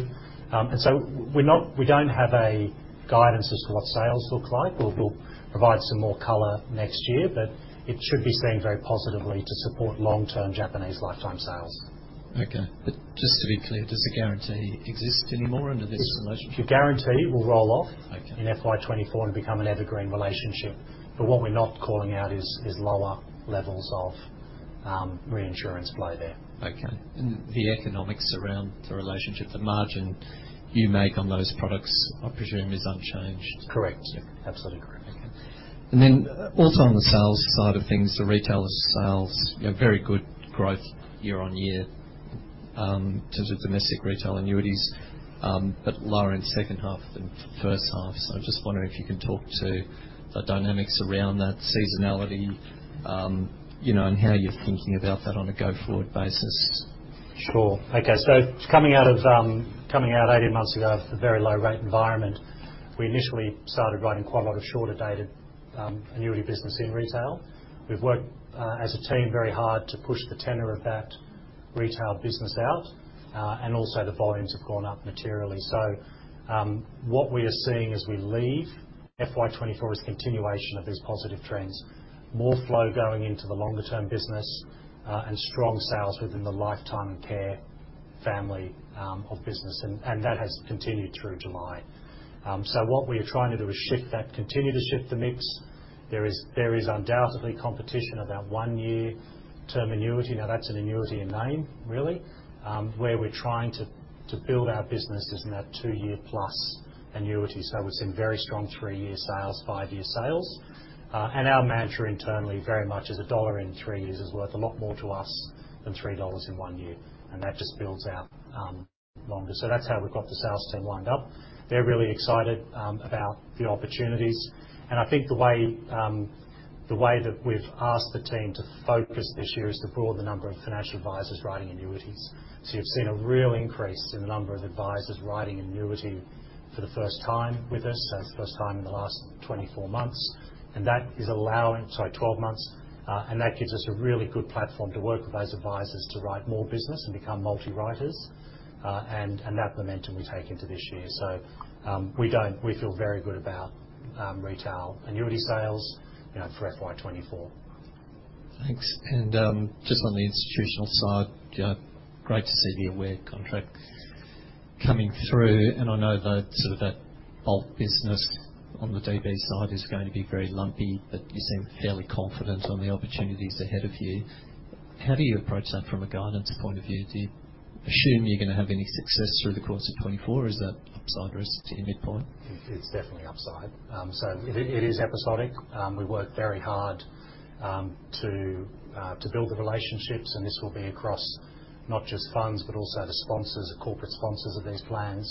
Speaker 2: We don't have a guidance as to what sales look like. We'll, we'll provide some more color next year, but it should be seen very positively to support long-term Japanese lifetime sales.
Speaker 6: Okay, just to be clear, does the guarantee exist anymore under this promotion?
Speaker 2: The guarantee will roll off.
Speaker 6: Okay.
Speaker 2: In FY24 and become an evergreen relationship, but what we're not calling out is lower levels of reinsurance play there.
Speaker 6: Okay, the economics around the relationship, the margin you make on those products, I presume, is unchanged?
Speaker 2: Correct. Absolutely correct.
Speaker 6: Okay. Also on the sales side of things, the retailer sales, you know, very good growth year-on-year, in terms of domestic retail annuities, but lower in second half than first half. I'm just wondering if you can talk to the dynamics around that seasonality, you know, and how you're thinking about that on a go-forward basis?
Speaker 2: Sure. Okay, coming out of, coming out 18 months ago, of a very low rate environment, we initially started writing quite a lot of shorter-dated annuity business in retail. We've worked as a team very hard to push the tenure of that retail business out, and also the volumes have gone up materially. What we are seeing as we leave FY24 is continuation of these positive trends, more flow going into the longer term business, and strong sales within the lifetime care family of business, and that has continued through July. What we are trying to do is shift that, continue to shift the mix. There is, there is undoubtedly competition about 1-year term annuity. Now, that's an annuity in name, really. Where we're trying to, to build our business is in that 2-year plus annuity. We're seeing very strong 3-year sales, 5-year sales, and our mantra internally very much is AUD 1 in 3 years is worth a lot more to us than 3 dollars in 1 year, and that just builds out longer. That's how we've got the sales team lined up. They're really excited about the opportunities, and I think the way, the way that we've asked the team to focus this year is to broaden the number of financial advisors writing annuities. You've seen a real increase in the number of advisors writing annuity for the first time with us, so the first time in the last 24 months, and that is allowing... Sorry, 12 months. That gives us a really good platform to work with those advisors to write more business and become multi-writers, and that momentum we take into this year. We feel very good about retail annuity sales, you know, for FY24.
Speaker 6: Thanks. Just on the institutional side, you know, great to see the Aware contract coming through, and I know that sort of that bulk business on the DB side is going to be very lumpy, but you seem fairly confident on the opportunities ahead of you. How do you approach that from a guidance point of view? Do you assume you're going to have any success through the course of 2024, or is that upside risk to your midpoint?
Speaker 2: It's, it's definitely upside. So it, it is episodic. We work very hard to build the relationships, and this will be across not just funds, but also the sponsors, the corporate sponsors of these plans,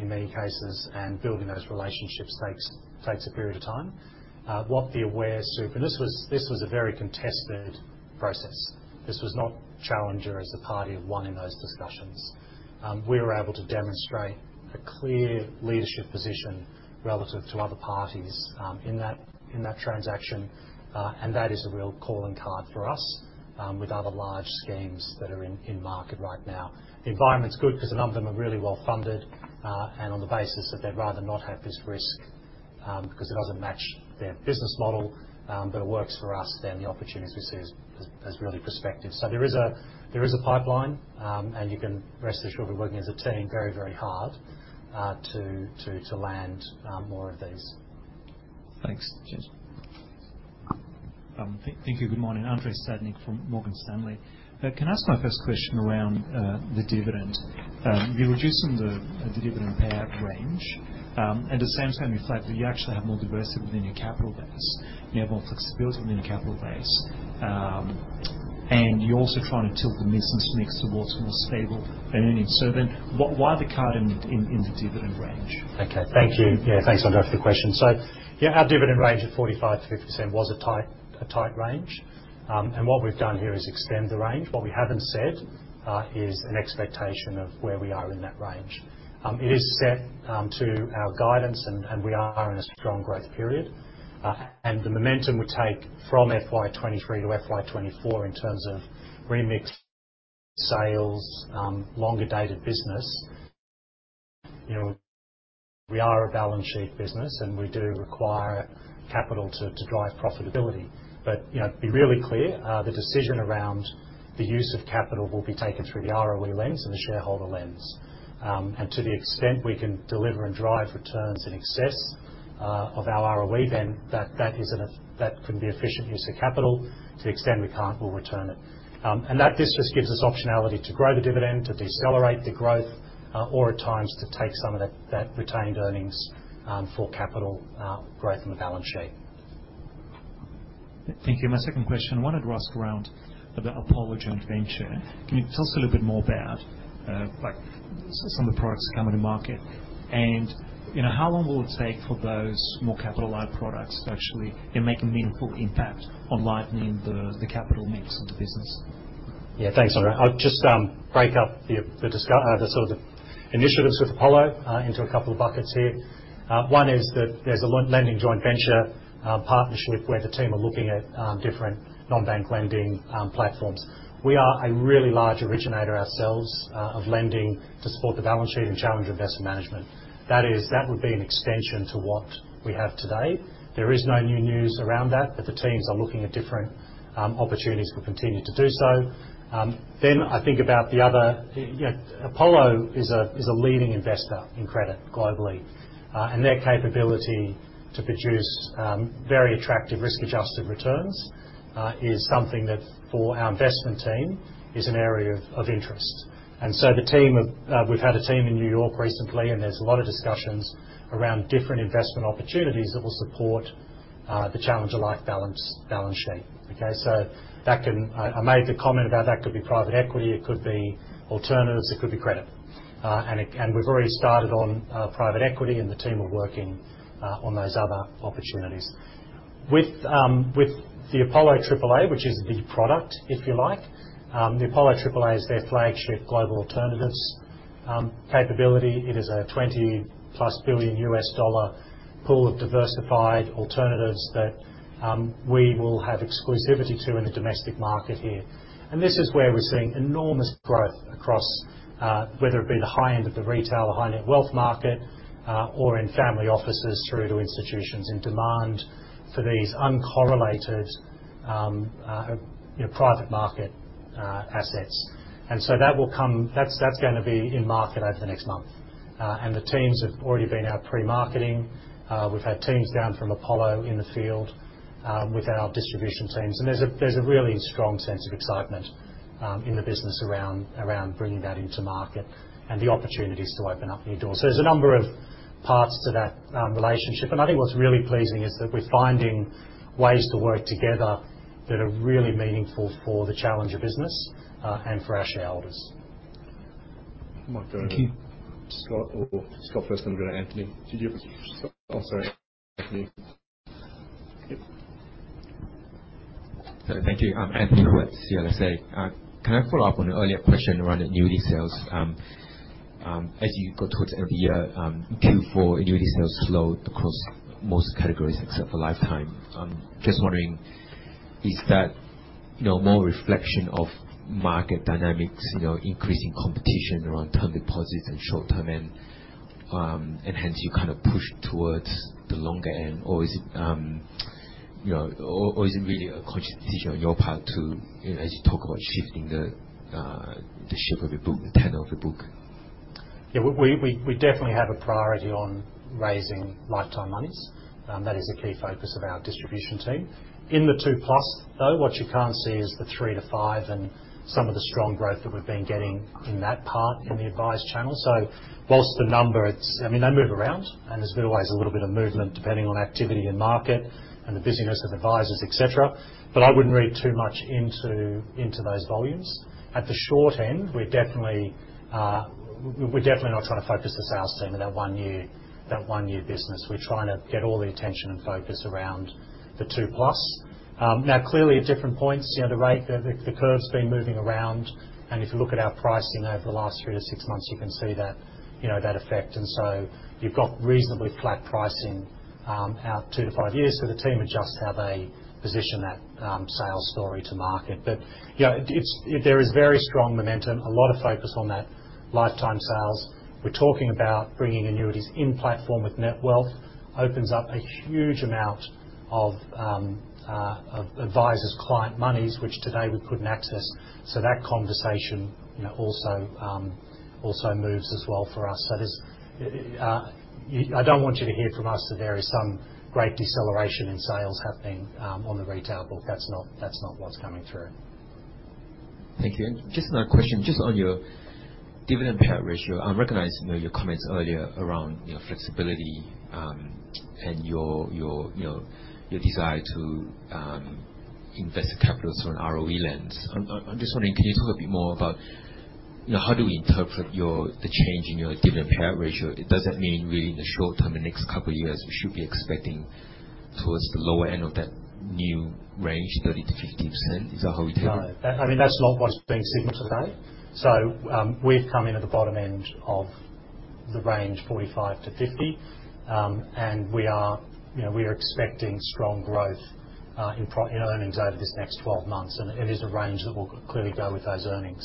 Speaker 2: in many cases, and building those relationships takes, takes a period of time. What the Aware Super... This was, this was a very contested process. This was not Challenger as the party of one in those discussions. We were able to demonstrate a clear leadership position relative to other parties in that, in that transaction, and that is a real calling card for us with other large schemes that are in, in market right now. The environment's good because a number of them are really well-funded, and on the basis that they'd rather not have this risk, because it doesn't match their business model, but it works for us, then the opportunities we see is, is, is really prospective. There is a, there is a pipeline, and you can rest assured we're working as a team very, very hard, to, to, to land, more of these.
Speaker 6: Thanks. Cheers.
Speaker 7: Thank you. Good morning, Andrei Stadnik from Morgan Stanley. Can I ask my first question around the dividend? You're reducing the dividend payout range, and at the same time, in fact, you actually have more diversity within your capital base, you have more flexibility within your capital base, and you're also trying to tilt the business mix towards more stable earnings. What, why the cut in the dividend range?
Speaker 2: Okay, thank you. Yeah, thanks, Andre, for the question. Yeah, our dividend range at 45%-50% was a tight, a tight range, and what we've done here is extend the range. What we haven't said is an expectation of where we are in that range. It is set to our guidance, and we are in a strong growth period, and the momentum we take from FY23 to FY24 in terms of remix sales, longer dated business, you know, we are a balance sheet business, and we do require capital to, to drive profitability. You know, to be really clear, the decision around the use of capital will be taken through the ROE lens and the shareholder lens. To the extent we can deliver and drive returns in excess of our ROE, then that, that is an that can be efficient use of capital. To the extent we can't, we'll return it. That just, just gives us optionality to grow the dividend, to decelerate the growth or at times, to take some of that, that retained earnings for capital growth in the balance sheet.
Speaker 7: Thank you. My second question, I wanted to ask around the Apollo joint venture. Can you tell us a little bit more about, like, some of the products coming to market? You know, how long will it take for those more capitalized products to actually, you know, make a meaningful impact on lightening the, the capital mix of the business?
Speaker 2: Yeah, thanks, Andre. I'll just break up the sort of initiatives with Apollo into a couple of buckets here. One is that there's a lending joint venture partnership, where the team are looking at different non-bank lending platforms. We are a really large originator ourselves of lending to support the balance sheet and Challenger Investment Management. That is, that would be an extension to what we have today. There is no new news around that, the teams are looking at different opportunities, will continue to do so. I think about the other, you know, Apollo is a leading investor in credit globally, and their capability to produce very attractive risk-adjusted returns is something that, for our investment team, is an area of interest. We've had a team in New York recently, and there's a lot of discussions around different investment opportunities that will support the Challenger Life balance sheet. I made the comment about that could be private equity, it could be alternatives, it could be credit. And we've already started on private equity, and the team are working on those other opportunities. With the Apollo Aligned Alternatives, which is the product, if you like, the Apollo Aligned Alternatives is their flagship global alternatives capability. It is a $20-plus billion pool of diversified alternatives that we will have exclusivity to in the domestic market here. This is where we're seeing enormous growth across, whether it be the high end of the retail, the high-net wealth market, or in family offices through to institutions, in demand for these uncorrelated, you know, private market, assets. So that's, that's gonna be in market over the next month. The teams have already been out pre-marketing. We've had teams down from Apollo in the field, with our distribution teams, and there's a, there's a really strong sense of excitement in the business around, around bringing that into market and the opportunities to open up new doors. There's a number of parts to that relationship, and I think what's really pleasing is that we're finding ways to work together that are really meaningful for the Challenger business, and for our shareholders. I might go to Scott or Scott first, then go to Anthony. Did you have a... Oh, sorry, Anthony. Yep.
Speaker 8: Thank you. I'm Anthony Roberts, CLSA. Can I follow up on an earlier question around annuity sales? As you go towards every year, Q4 annuity sales slowed across most categories except for Lifetime. Just wondering, is that, you know, more reflection of market dynamics, you know, increasing competition around term deposits and short-term end, and hence you kind of push towards the longer end? Or is it, you know, or, or is it really a conscious decision on your part to, you know, as you talk about shifting the shape of your book, the tenor of your book?
Speaker 2: Yeah, we, we, we definitely have a priority on raising lifetime monies, and that is a key focus of our distribution team. In the two plus, though, what you can't see is the three to five and some of the strong growth that we've been getting in that part in the advice channel. Whilst the number, I mean, they move around, and there's been always a little bit of movement, depending on activity in market and the busyness of advisors, et cetera, but I wouldn't read too much into, into those volumes. At the short end, we're definitely, we're, we're definitely not trying to focus the sales team in that one year, that one-year business. We're trying to get all the attention and focus around the two plus. Now, clearly, at different points, you know, the rate, the, the, the curve's been moving around, and if you look at our pricing over the last 3-6 months, you can see that, you know, that effect. So you've got reasonably flat pricing, out 2-5 years, so the team adjust how they position that, sales story to market. You know, it's, there is very strong momentum, a lot of focus on that lifetime sales. We're talking about bringing annuities in platform with Netwealth opens up a huge amount of, of advisor's client monies, which today we couldn't access, so that conversation, you know, also, also moves as well for us. There's, you... I don't want you to hear from us that there is some great deceleration in sales happening, on the retail book. That's not, that's not what's coming through.
Speaker 8: Thank you. Just another question, just on your dividend payout ratio. I'm recognizing, you know, your comments earlier around your flexibility, and your, your, you know, your desire to invest capital from an ROE lens. I'm, I'm, I'm just wondering, can you talk a bit more about, you know, how do we interpret your, the change in your dividend payout ratio? Does that mean really in the short term, the next couple of years, we should be expecting towards the lower end of that new range, 30%-50%? Is that how we take it?
Speaker 2: No. I, I mean, that's not what's being signaled today. We've come in at the bottom end of the range, 45%-50%, and we are, you know, we are expecting strong growth in earnings over this next 12 months, and it is a range that will clearly go with those earnings.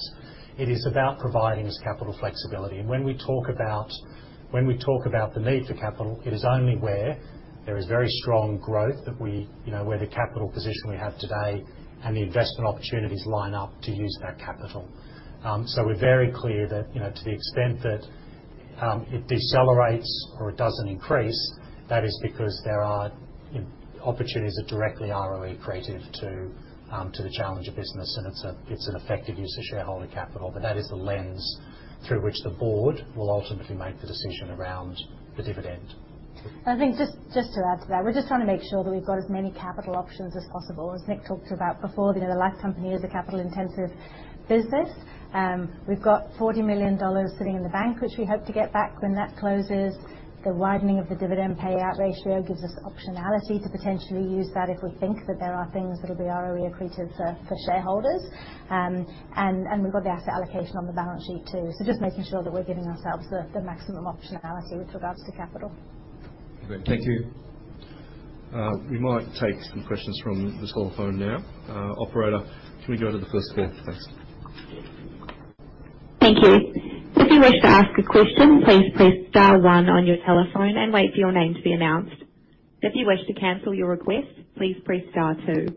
Speaker 2: It is about providing us capital flexibility, and when we talk about, when we talk about the need for capital, it is only where there is very strong growth that we, you know, where the capital position we have today and the investment opportunities line up to use that capital. We're very clear that, you know, to the extent that, it decelerates or it doesn't increase, that is because there are opportunities that directly are really creative to, to the Challenger business, and it's a, it's an effective use of shareholder capital. That is the lens through which the board will ultimately make the decision around the dividend.
Speaker 3: I think just, just to add to that, we're just trying to make sure that we've got as many capital options as possible. As Nick talked about before, the other life company is a capital-intensive business. We've got 40 million dollars sitting in the bank, which we hope to get back when that closes. The widening of the dividend payout ratio gives us optionality to potentially use that if we think that there are things that will be ROE accretive for, for shareholders. We've got the asset allocation on the balance sheet, too. Just making sure that we're giving ourselves the, the maximum optionality with regards to capital.
Speaker 2: Okay, thank you. We might take some questions from the call phone now. Operator, can we go to the first call? Thanks.
Speaker 9: Thank you. If you wish to ask a question, please press star one on your telephone and wait for your name to be announced. If you wish to cancel your request, please press star two.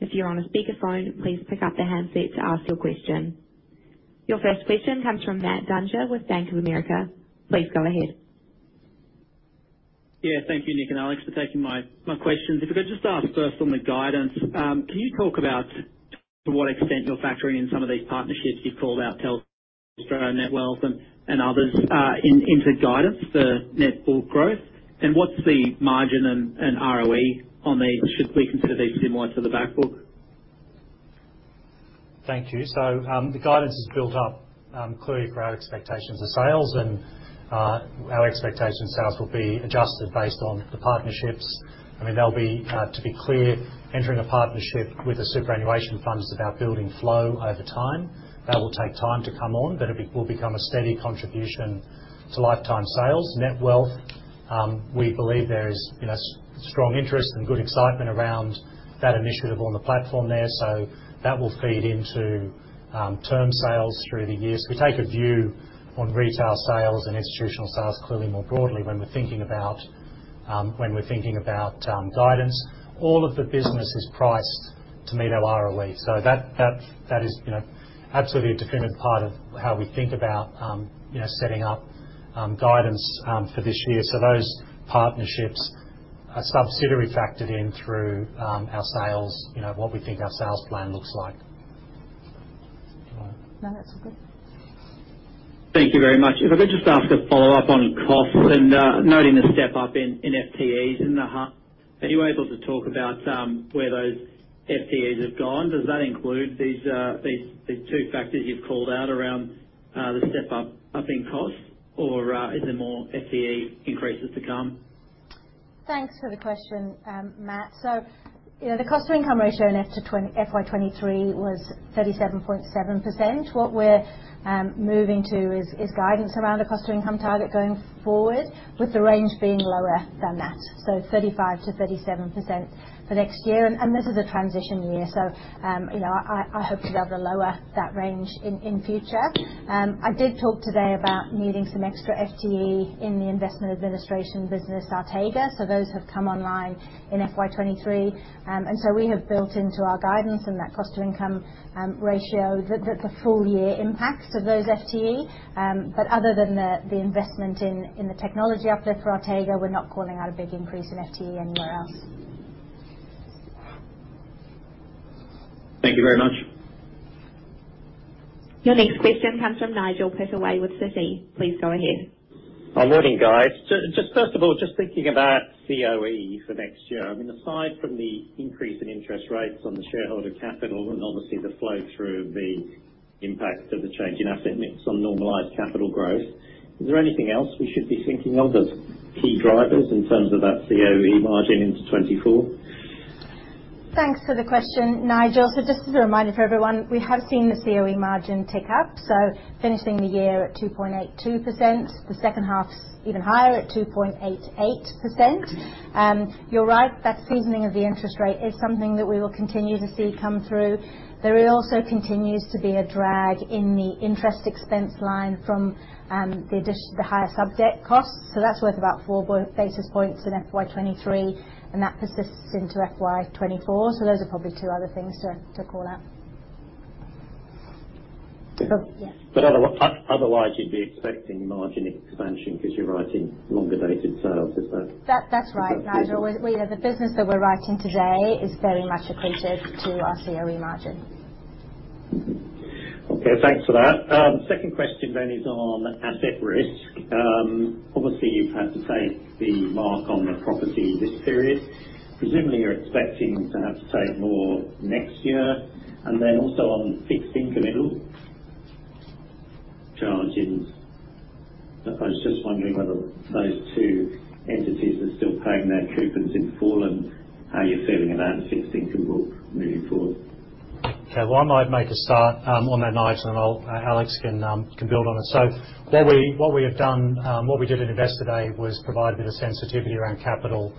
Speaker 9: If you're on a speakerphone, please pick up the handset to ask your question. Your first question comes from Matt Dunger with Bank of America. Please go ahead.
Speaker 10: Yeah, thank you, Nick and Alex, for taking my, my questions. If I could just ask first on the guidance, can you talk about to what extent you're factoring in some of these partnerships you've called out, Telstra, Netwealth, and, and others, into guidance for net book growth? What's the margin and, and ROE on these? Should we consider these similar to the back book?
Speaker 2: Thank you. The guidance is built up clearly for our expectations of sales, and our expectations sales will be adjusted based on the partnerships. I mean, they'll be, to be clear, entering a partnership with the superannuation funds is about building flow over time. That will take time to come on, but it will become a steady contribution to lifetime sales. Netwealth, we believe there is, you know, strong interest and good excitement around that initiative on the platform there, so that will feed into term sales through the years. We take a view on retail sales and institutional sales clearly more broadly when we're thinking about when we're thinking about guidance. All of the business is priced to meet our ROE, so that, that, that is, you know, absolutely a definitive part of how we think about, you know, setting up, guidance, for this year. Those partnerships are subsidiary, factored in through, our sales. You know, what we think our sales plan looks like.
Speaker 3: No, that's all good.
Speaker 10: Thank you very much. If I could just ask a follow-up on costs and noting the step up in FTEs in the heart, are you able to talk about where those FTEs have gone? Does that include these, these, these two factors you've called out around the step up, up in costs, or is there more FTE increases to come?
Speaker 3: Thanks for the question, Matt. You know, the cost-to-income ratio in FY23 was 37.7%. What we're moving to is guidance around the cost-to-income target going forward, with the range being lower than that. 35%-37% for next year. This is a transition year, so, you know, I, I, hope to be able to lower that range in, in future. I did talk today about needing some extra FTE in the investment administration business, Artega. Those have come online in FY23. We have built into our guidance and that cost-to-income ratio, the, the, the full year impacts of those FTE. Other than the, the investment in, in the technology uplift for Artega, we're not calling out a big increase in FTE anywhere else.
Speaker 10: Thank you very much.
Speaker 9: Your next question comes from Nigel Pittaway with Citi. Please go ahead.
Speaker 11: Good morning, guys. Just first of all, just thinking about COE for next year. I mean, aside from the increase in interest rates on the shareholder capital and obviously the flow through the impact of the change in asset mix on normalized capital growth, is there anything else we should be thinking of as key drivers in terms of that COE margin into 2024?
Speaker 3: Thanks for the question, Nigel. Just as a reminder for everyone, we have seen the COE margin tick up, finishing the year at 2.82%, the second half's even higher at 2.88%. You're right, that seasoning of the interest rate is something that we will continue to see come through. There also continues to be a drag in the interest expense line from the addition, the higher subordinated debt costs. That's worth about 4 basis points in FY23, and that persists into FY24. Those are probably two other things to call out. Yeah.
Speaker 11: Otherwise, you'd be expecting margin expansion because you're writing longer dated sales, is that?
Speaker 3: That's right, Nigel. We, the business that we're writing today is very much accretive to our COE margin.
Speaker 11: Mm-hmm. Okay, thanks for that. Second question then is on asset risk. Obviously, you've had to take the mark on the property this period. Presumably, you're expecting to have to take more next year. Then also on fixed incremental charges. I was just wondering whether those two entities are still paying their coupons in full. How you're feeling about fixed incremental moving forward?
Speaker 2: Okay, well, I might make a start on that, Nigel, and I'll. Alex can build on it. What we, what we have done, what we did at Investor Day was provide a bit of sensitivity around capital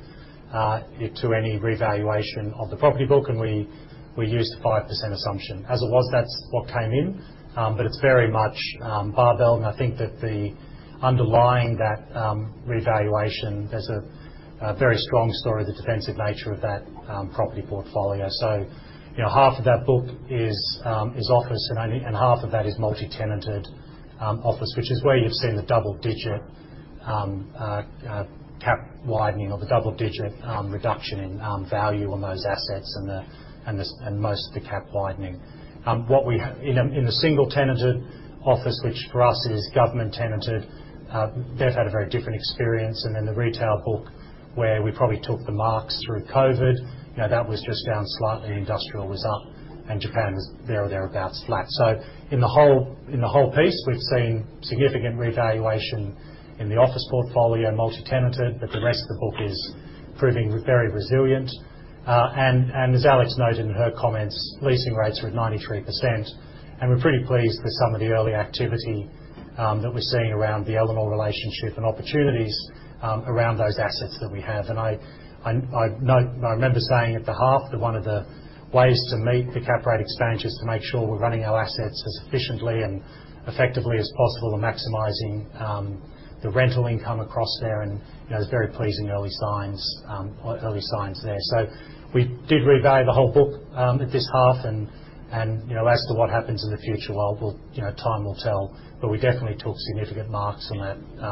Speaker 2: to any revaluation of the property book, and we, we used the 5% assumption. As it was, that's what came in, but it's very much barbell, and I think that the underlying that revaluation, there's a very strong story, the defensive nature of that property portfolio. You know, half of that book is office, and half of that is multi-tenanted office, which is where you've seen the double-digit cap widening or the double-digit reduction in value on those assets and most of the cap widening. What we have in a single tenanted office, which for us is government tenanted, they've had a very different experience. Then the retail book, where we probably took the marks through COVID, you know, that was just down slightly, industrial was up, and Japan was there or thereabouts flat. In the whole, in the whole piece, we've seen significant revaluation in the office portfolio, multi-tenanted, but the rest of the book is proving very resilient. As Alex noted in her comments, leasing rates are at 93%, and we're pretty pleased with some of the early activity that we're seeing around the Elanor relationship and opportunities around those assets that we have. I remember saying at the half that one of the ways to meet the cap rate expansion is to make sure we're running our assets as efficiently and effectively as possible, and maximizing the rental income across there. You know, it's very pleasing early signs, early signs there. We did revalue the whole book at this half, and, you know, as to what happens in the future, well, we'll, you know, time will tell. We definitely took significant marks on that,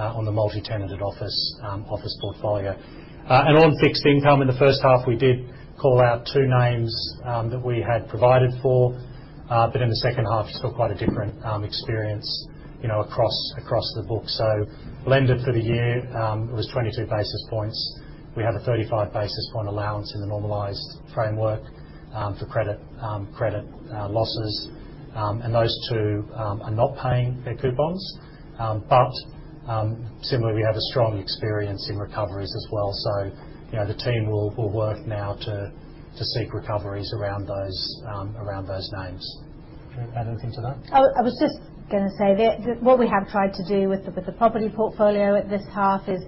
Speaker 2: on the multi-tenanted office, office portfolio. On fixed income in the first half, we did call out 2 names that we had provided for. In the second half, it's still quite a different experience, you know, across, across the book. Lender for the year was 22 basis points. We have a 35 basis point allowance in the normalized framework for credit losses. Those 2 are not paying their coupons. Similarly, we have a strong experience in recoveries as well. You know, the team will work now to seek recoveries around those names. Do you want to add anything to that?
Speaker 3: I was just gonna say that what we have tried to do with the, with the property portfolio at this half is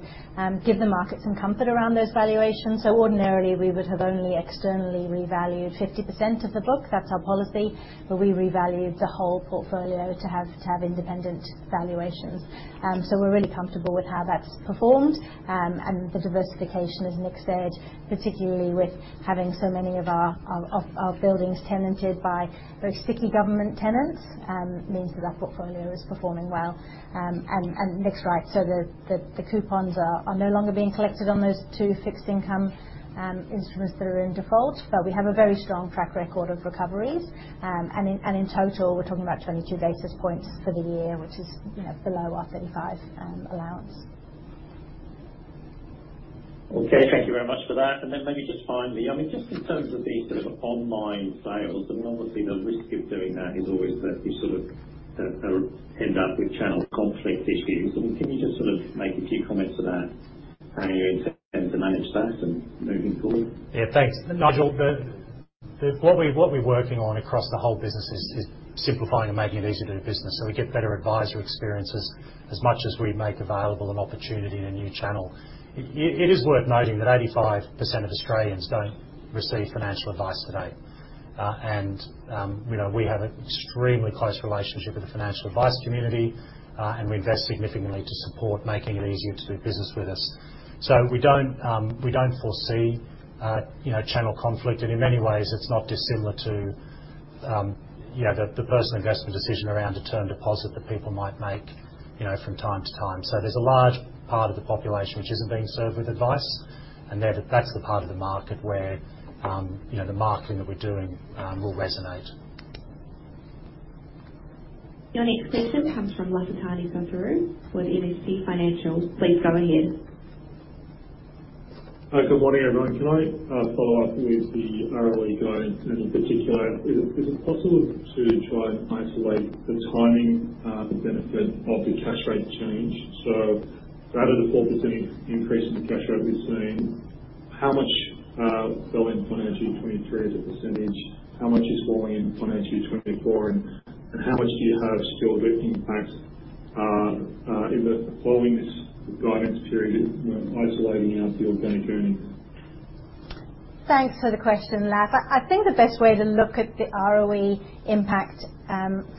Speaker 3: give the market some comfort around those valuations. Ordinarily, we would have only externally revalued 50% of the book. That's our policy. We revalued the whole portfolio to have independent valuations. We're really comfortable with how that's performed. The diversification, as Nick said, particularly with having so many of our, our buildings tenanted by very sticky government tenants, means that our portfolio is performing well. Nick's right, the coupons are no longer being collected on those two fixed income instruments that are in default. We have a very strong track record of recoveries. In, and in total, we're talking about 22 basis points for the year, which is, you know, below our 35 allowance.
Speaker 11: Okay, thank you very much for that. Maybe just finally, I mean, just in terms of the sort of online sales, and obviously the risk of doing that is always that you sort of end up with channel conflict issues. I mean, can you just sort of make a few comments to that, how you intend to manage that and moving forward?
Speaker 2: Yeah, thanks, Nigel. What we're working on across the whole business is simplifying and making it easier to do business, so we get better advisor experiences as much as we make available an opportunity in a new channel. It is worth noting that 85% of Australians don't receive financial advice today. And, you know, we have an extremely close relationship with the financial advice community, and we invest significantly to support making it easier to do business with us. We don't, we don't foresee, you know, channel conflict, and in many ways, it's not dissimilar to, you know, the personal investment decision around a term deposit that people might make, you know, from time to time. There's a large part of the population which isn't being served with advice, and there, that's the part of the market where, you know, the marketing that we're doing, will resonate.
Speaker 9: Your next question comes from Lafitani Sotiriou with MST Financial. Please go ahead.
Speaker 12: Good morning, everyone. Can I follow up with the ROE guidance, and in particular, is it, is it possible to try and isolate the timing, the benefit of the cash rate change? Out of the 4% increase in the cash rate we've seen, how much fell in FY23 as a percentage, how much is falling in FY24, and how much do you have still impact in the following this guidance period, you know, isolating out the organic earnings?
Speaker 3: Thanks for the question, Lak. I think the best way to look at the ROE impact,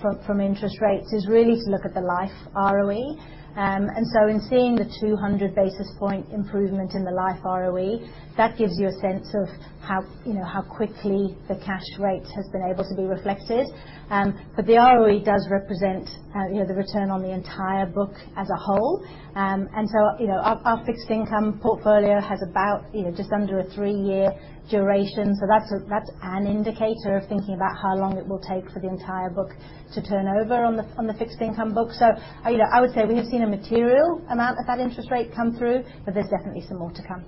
Speaker 3: from, from interest rates is really to look at the Life ROE. In seeing the 200 basis point improvement in the Life ROE, that gives you a sense of how, you know, how quickly the cash rate has been able to be reflected. The ROE does represent, you know, the return on the entire book as a whole. Our, our fixed income portfolio has about, you know, just under a 3-year duration. So that's a, that's an indicator of thinking about how long it will take for the entire book to turn over on the, on the fixed income book. you know, I would say we have seen a material amount of that interest rate come through, but there's definitely some more to come.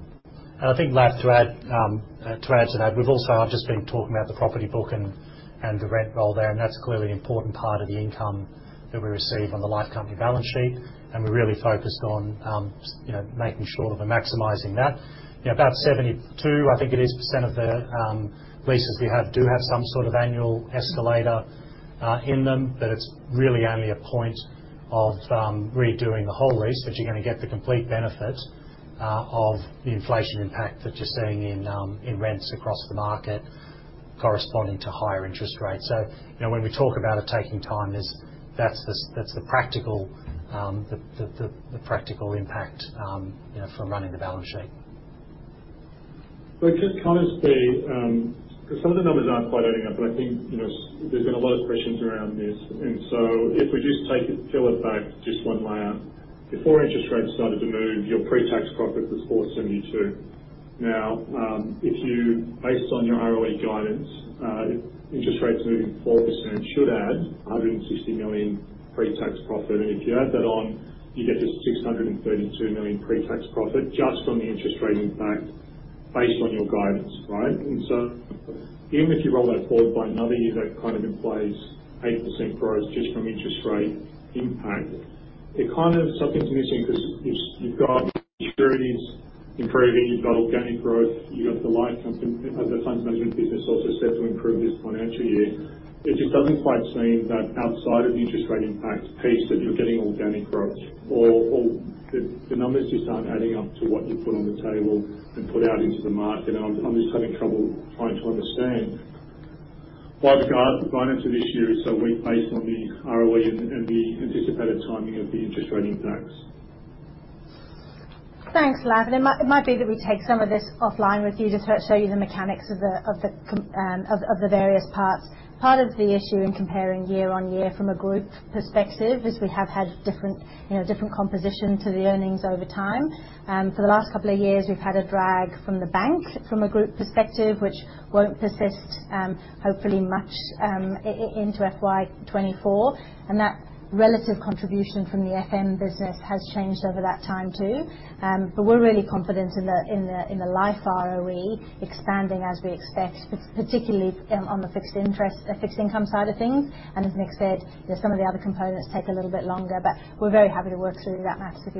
Speaker 2: I think, Lak, to add to that, we've also just been talking about the property book and the rent roll there, and that's clearly an important part of the income that we receive on the life company balance sheet. We're really focused on, you know, making sure that we're maximizing that. You know, about 72, I think it is, % of the leases we have do have some sort of annual escalator in them, but it's really only a point of redoing the whole lease that you're going to get the complete benefit of the inflation impact that you're seeing in rents across the market corresponding to higher interest rates. You know, when we talk about it taking time, that's the practical, the, the, the practical impact, you know, from running the balance sheet.
Speaker 12: Just can I just be... Because some of the numbers aren't quite adding up, but I think, you know, there's been a lot of questions around this, and so if we just take it, peel it back just one layer. Before interest rates started to move, your pre-tax profit was 472. Now, if you, based on your ROE guidance, if interest rates moving 4% should add 160 million pre-tax profit, and if you add that on, you get to 632 million pre-tax profit just from the interest rate impact based on your guidance, right? Even if you roll that forward by another year, that kind of implies 8% growth just from interest rate impact. It something's missing because you've, you've got securities-... improving, you've got organic growth, you've got the Life Company as a Funds Management business also set to improve this financial year. It just doesn't quite seem that outside of the interest rate impact piece, that you're getting organic growth or, or the, the numbers just aren't adding up to what you put on the table and put out into the market. I'm, I'm just having trouble trying to understand why the guidance for financial this year is so weak based on the ROE and, and the anticipated timing of the interest rate impacts.
Speaker 3: Thanks, Lak. It might, it might be that we take some of this offline with you just to show you the mechanics of the, of the various parts. Part of the issue in comparing year-on-year from a group perspective, is we have had different, you know, different composition to the earnings over time. For the last couple of years, we've had a drag from the Bank from a group perspective, which won't persist, hopefully much into FY 2024. That relative contribution from the FM business has changed over that time, too. We're really confident in the, in the, in the Life ROE expanding as we expect, particularly on the fixed interest, the fixed income side of things. As Nick said, you know, some of the other components take a little bit longer, but we're very happy to work through that math with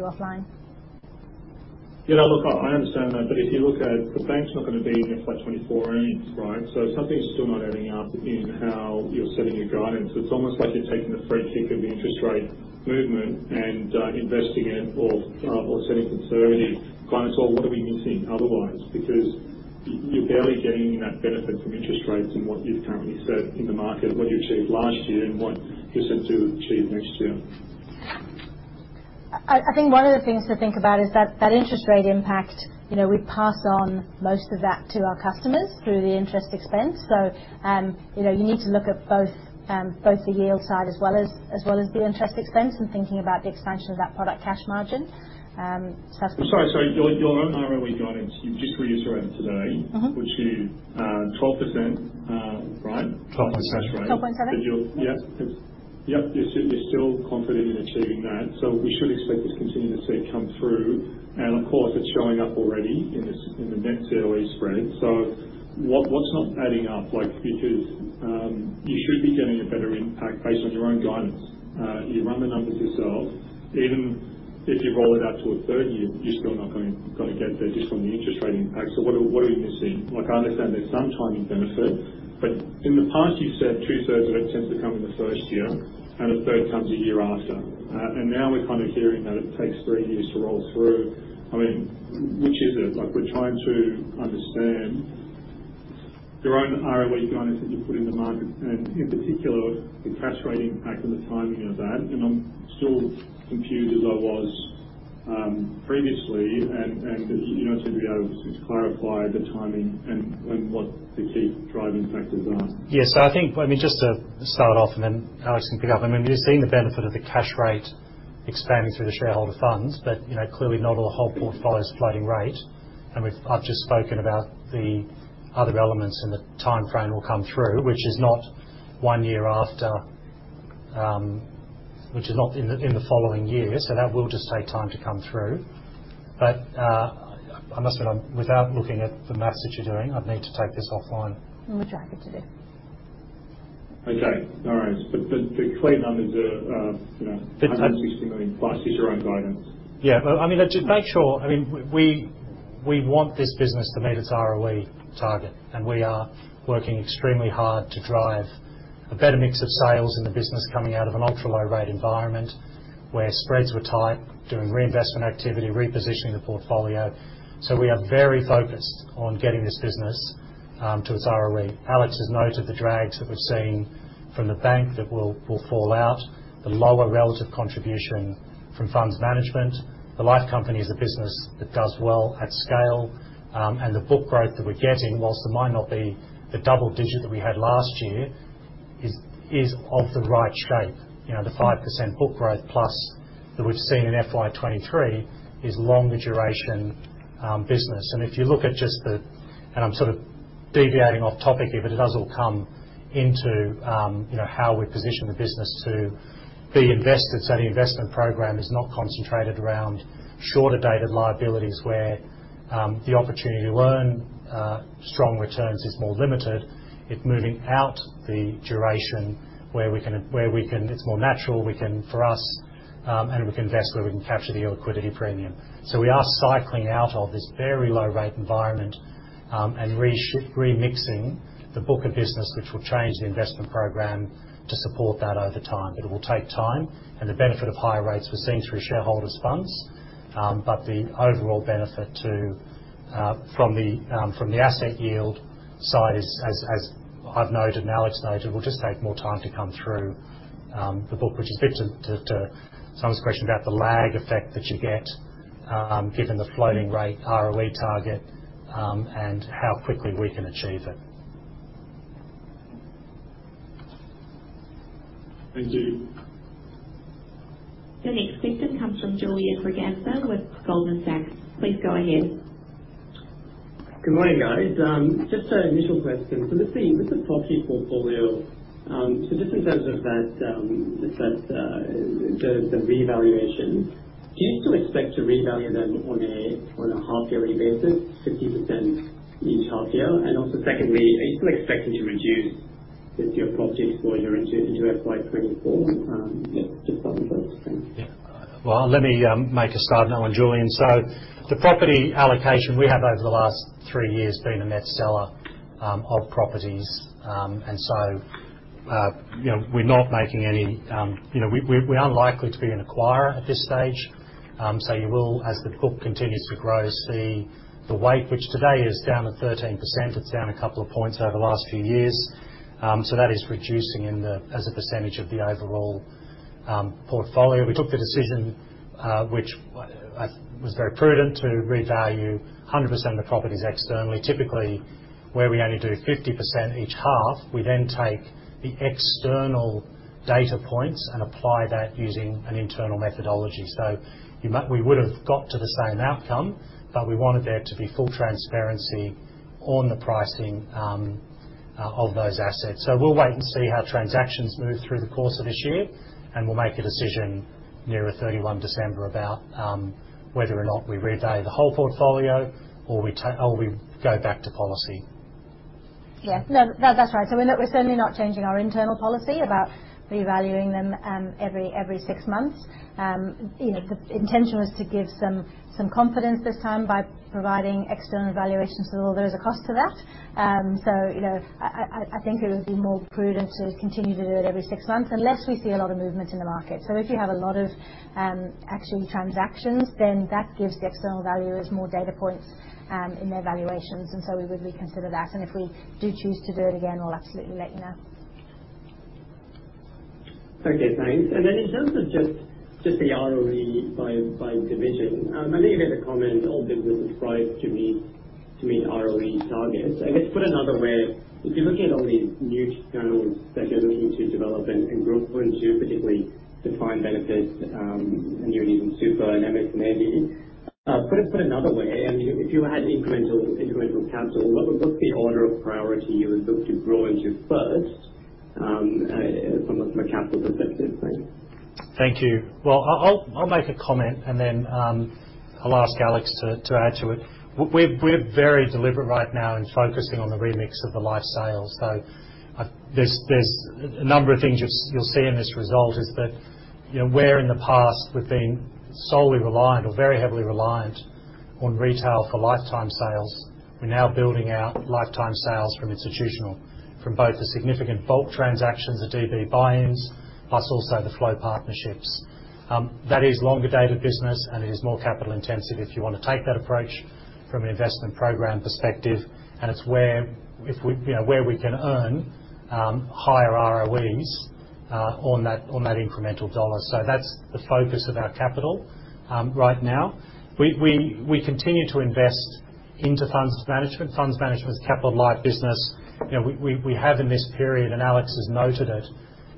Speaker 3: you offline.
Speaker 12: Yeah, look, I, I understand that, if you look at... The bank's not going to be in your FY24 earnings, right? Something's still not adding up in how you're setting your guidance. It's almost like you're taking the free kick of the interest rate movement and investing it or or setting conservative guidance on what are we missing otherwise? Y-you're barely getting that benefit from interest rates and what you've currently said in the market, what you achieved last year and what you said you'll achieve next year.
Speaker 3: I, I think one of the things to think about is that, that interest rate impact, you know, we pass on most of that to our customers through the interest expense. You know, you need to look at both, both the yield side as well as, as well as the interest expense and thinking about the expansion of that product cash margin. That's-
Speaker 12: I'm sorry, sorry. Your, your own ROE guidance, you've just reiterated today?
Speaker 3: Mm-hmm.
Speaker 12: which is, 12%, right?
Speaker 2: 12.7%.
Speaker 3: 12.7%.
Speaker 12: You're still, you're still confident in achieving that. We should expect this continue to see it come through, and of course, it's showing up already in this, in the net COE spread. What, what's not adding up? Like, because, you should be getting a better impact based on your own guidance. You run the numbers yourself. Even if you roll it out to a third year, you're still not going to get there just from the interest rate impact. What are we missing? Like, I understand there's some timing benefit, but in the past, you've said two-thirds of it tends to come in the first year and a third comes a year after. Now we're kind of hearing that it takes three years to roll through. I mean, which is it? Like, we're trying to understand your own ROE guidance that you put in the market, and in particular, the cash rate impact and the timing of that. I'm still confused as I was previously, and you don't seem to be able to just clarify the timing and what the key driving factors are.
Speaker 2: Yes. I think, let me just start off and then Alex can pick up. I mean, we've seen the benefit of the cash rate expanding through the shareholder funds, but, you know, clearly, not all the whole portfolio is floating rate. We've-- I've just spoken about the other elements and the timeframe will come through, which is not one year after... which is not in the, in the following year, so that will just take time to come through. I must admit, I'm, without looking at the math that you're doing, I'd need to take this offline.
Speaker 3: Which I could do.
Speaker 12: Okay, all right. The, the clear numbers are, you know, 160 million plus is your own guidance.
Speaker 2: Yeah. Well, I mean, just make sure, I mean, we, we want this business to meet its ROE target. We are working extremely hard to drive a better mix of sales in the business coming out of an ultra-low rate environment, where spreads were tight, doing reinvestment activity, repositioning the portfolio. We are very focused on getting this business to its ROE. Alex has noted the drags that we're seeing from the bank that will, will fall out, the lower relative contribution from Funds Management. The Life Company is a business that does well at scale, and the book growth that we're getting, whilst it might not be the double digit that we had last year, is, is of the right shape. You know, the 5% book growth plus that we've seen in FY23 is longer duration business. If you look at just the... I'm sort of deviating off topic here, but it does all come into, you know, how we position the business to be invested. The investment program is not concentrated around shorter dated liabilities, where the opportunity to earn strong returns is more limited. It's moving out the duration where we can... It's more natural, we can, for us, and we can invest where we can capture the liquidity premium. We are cycling out of this very low-rate environment and remixing the book of business, which will change the investment program to support that over time. It will take time, and the benefit of higher rates was seen through shareholders' funds. The overall benefit to, from the, from the asset yield side is, as, as I've noted and Alex noted, will just take more time to come through, the book. Which is getting to, to, to someone's question about the lag effect that you get, given the floating rate ROE target, and how quickly we can achieve it.
Speaker 12: Thank you.
Speaker 9: The next speaker comes from Julian Braganza with Goldman Sachs. Please go ahead.
Speaker 13: Good morning, guys. Just an initial question. With the, with the top tier portfolio, just in terms of that, the revaluation, do you still expect to revalue them on a half yearly basis, 50% each half year? Secondly, are you still expecting with your properties for your into FY24? Yeah, just thought we'd ask.
Speaker 2: Yeah. Well, let me make a start on that one, Julian. The property allocation we have over the last three years been a net seller of properties. You know, we're not making any, you know, we, we, we're unlikely to be an acquirer at this stage. You will, as the book continues to grow, see the weight, which today is down to 13%. It's down a couple of points over the last few years. That is reducing in the, as a percentage of the overall portfolio. We took the decision, which I, was very prudent, to revalue 100% of the properties externally. Typically, where we only do 50% each half, we then take the external data points and apply that using an internal methodology. You might- we would have got to the same outcome, but we wanted there to be full transparency on the pricing of those assets. We'll wait and see how transactions move through the course of this year, and we'll make a decision nearer 31 December about whether or not we revalue the whole portfolio or we take, or we go back to policy.
Speaker 3: Yeah. No, that, that's right. We're not, we're certainly not changing our internal policy about revaluing them, every, every six months. You know, the intention was to give some, some confidence this time by providing external valuations, although there is a cost to that. You know, I, I, I think it would be more prudent to continue to do it every six months unless we see a lot of movement in the market. If you have a lot of, actually transactions, then that gives the external valuers more data points, in their valuations, and so we would reconsider that. If we do choose to do it again, we'll absolutely let you know.
Speaker 13: Okay, thanks. Then in terms of just, just the ROE by, by division, I know you made a comment a little bit with the surprise to meet, to meet ROE targets. I guess put another way, if you're looking at all these new channels that you're looking to develop and, and grow into, particularly to find benefits, and even super and AMC, maybe. Put, put another way, if you had incremental, incremental capital, what, what would be order of priority you would look to grow into first from a capital perspective? Thanks.
Speaker 2: Thank you. Well, I'll, I'll, I'll make a comment and then, I'll ask Alex to, to add to it. We're, we're very deliberate right now in focusing on the remix of the life sales. I, there's, there's a number of things you, you'll see in this result is that, you know, where in the past, we've been solely reliant or very heavily reliant on retail for lifetime sales, we're now building our lifetime sales from institutional, from both the significant bulk transactions, the DB buy-ins, plus also the flow partnerships. That is longer dated business, and it is more capital intensive if you want to take that approach from an investment program perspective, and it's where if we, you know, where we can earn higher ROEs on that, on that incremental dollar. That's the focus of our capital right now. We, we, we continue to invest into Funds Management. Funds Management is capital life business. You know, we, we, we have in this period, and Alex has noted it,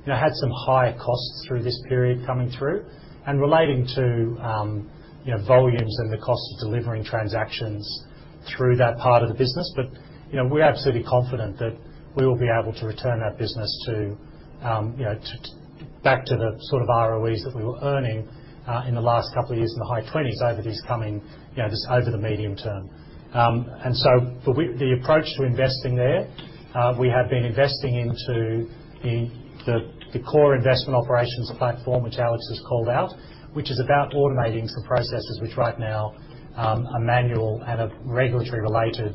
Speaker 2: you know, had some higher costs through this period coming through and relating to, you know, volumes and the cost of delivering transactions through that part of the business. You know, we're absolutely confident that we will be able to return that business to, you know, to, back to the sort of ROEs that we were earning in the last couple of years in the high 20s over this coming, you know, just over the medium term. The approach to investing there, we have been investing into the core investment operations platform, which Alex has called out, which is about automating some processes which right now are manual and are regulatory related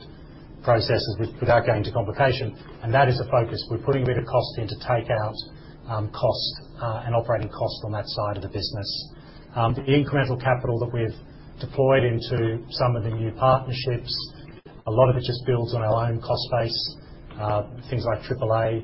Speaker 2: processes without going into complication. That is a focus. We're putting a bit of cost in to take out costs and operating costs on that side of the business. The incremental capital that we've deployed into some of the new partnerships, a lot of it just builds on our own cost base, things like triple A.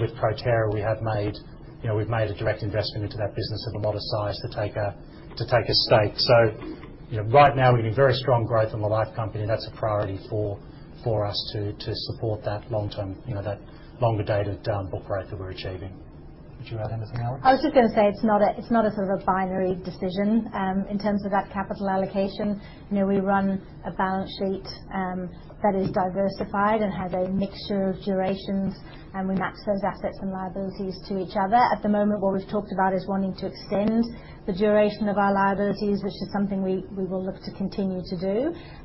Speaker 2: With Proterra, we have made, you know, we've made a direct investment into that business of a modest size to take a, to take a stake. You know, right now, we're doing very strong growth in the life company. That's a priority for, for us to, to support that long-term, you know, that longer dated down book growth that we're achieving. Would you add anything, Alex?
Speaker 3: I was just gonna say it's not a, it's not a sort of a binary decision. In terms of that capital allocation, you know, we run a balance sheet, that is diversified and has a mixture of durations, and we match those assets and liabilities to each other. At the moment, what we've talked about is wanting to extend the duration of our liabilities, which is something we, we will look to continue to do,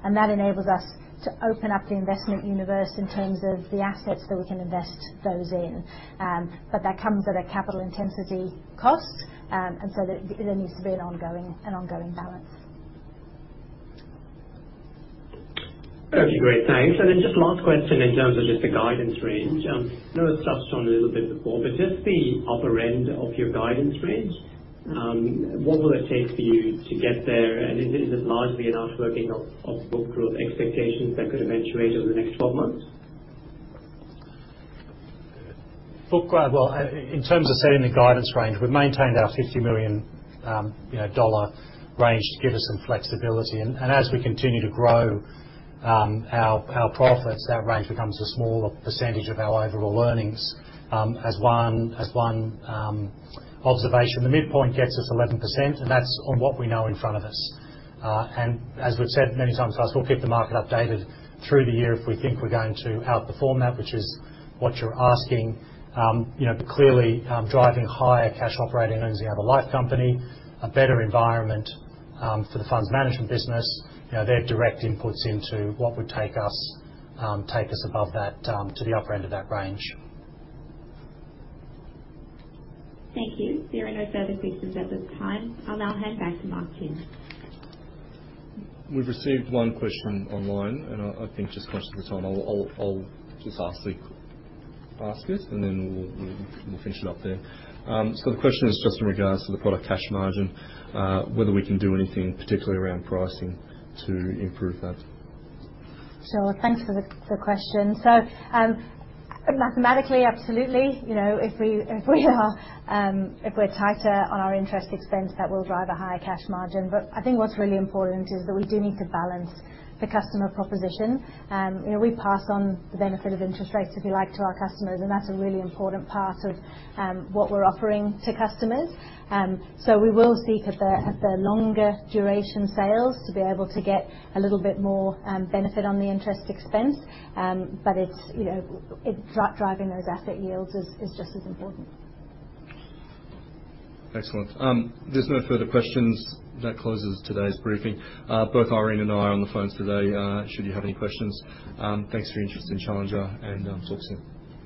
Speaker 3: and that enables us to open up the investment universe in terms of the assets that we can invest those in. That comes at a capital intensity cost, and so there, there needs to be an ongoing, an ongoing balance.
Speaker 13: Okay, great. Thanks. Then just last question in terms of just the guidance range. I know it was touched on a little bit before, but just the upper end of your guidance range, what will it take for you to get there, and is it largely an outworking of, of book growth expectations that could eventuate over the next 12 months?
Speaker 2: Book grow... Well, in terms of setting the guidance range, we've maintained our 50 million, you know, dollar range to give us some flexibility. As we continue to grow, our, our profits, that range becomes a smaller percentage of our overall earnings, as one, as one, observation. The midpoint gets us 11%, and that's on what we know in front of us. As we've said many times, guys, we'll keep the market updated through the year if we think we're going to outperform that, which is what you're asking. You know, clearly, driving higher cash operating earnings in our life company, a better environment, for the funds management business, you know, they're direct inputs into what would take us, take us above that, to the upper end of that range.
Speaker 9: Thank you. There are no further questions at this time. I'll now hand back to Mark Chen.
Speaker 1: We've received one question online, and I think just because of the time, I'll just ask it, and then we'll finish it up then. The question is just in regards to the product cash margin, whether we can do anything, particularly around pricing, to improve that?
Speaker 3: Sure. Thank you for the, the question. Mathematically, absolutely, you know, if we, if we are, if we're tighter on our interest expense, that will drive a higher cash margin. I think what's really important is that we do need to balance the customer proposition. You know, we pass on the benefit of interest rates, if you like, to our customers, and that's a really important part of what we're offering to customers. We will seek at the, at the longer duration sales to be able to get a little bit more benefit on the interest expense. It's, you know, driving those asset yields is, is just as important.
Speaker 1: Excellent. There's no further questions. That closes today's briefing. Both Irene and I are on the phones today, should you have any questions. Thanks for your interest in Challenger, and talk soon.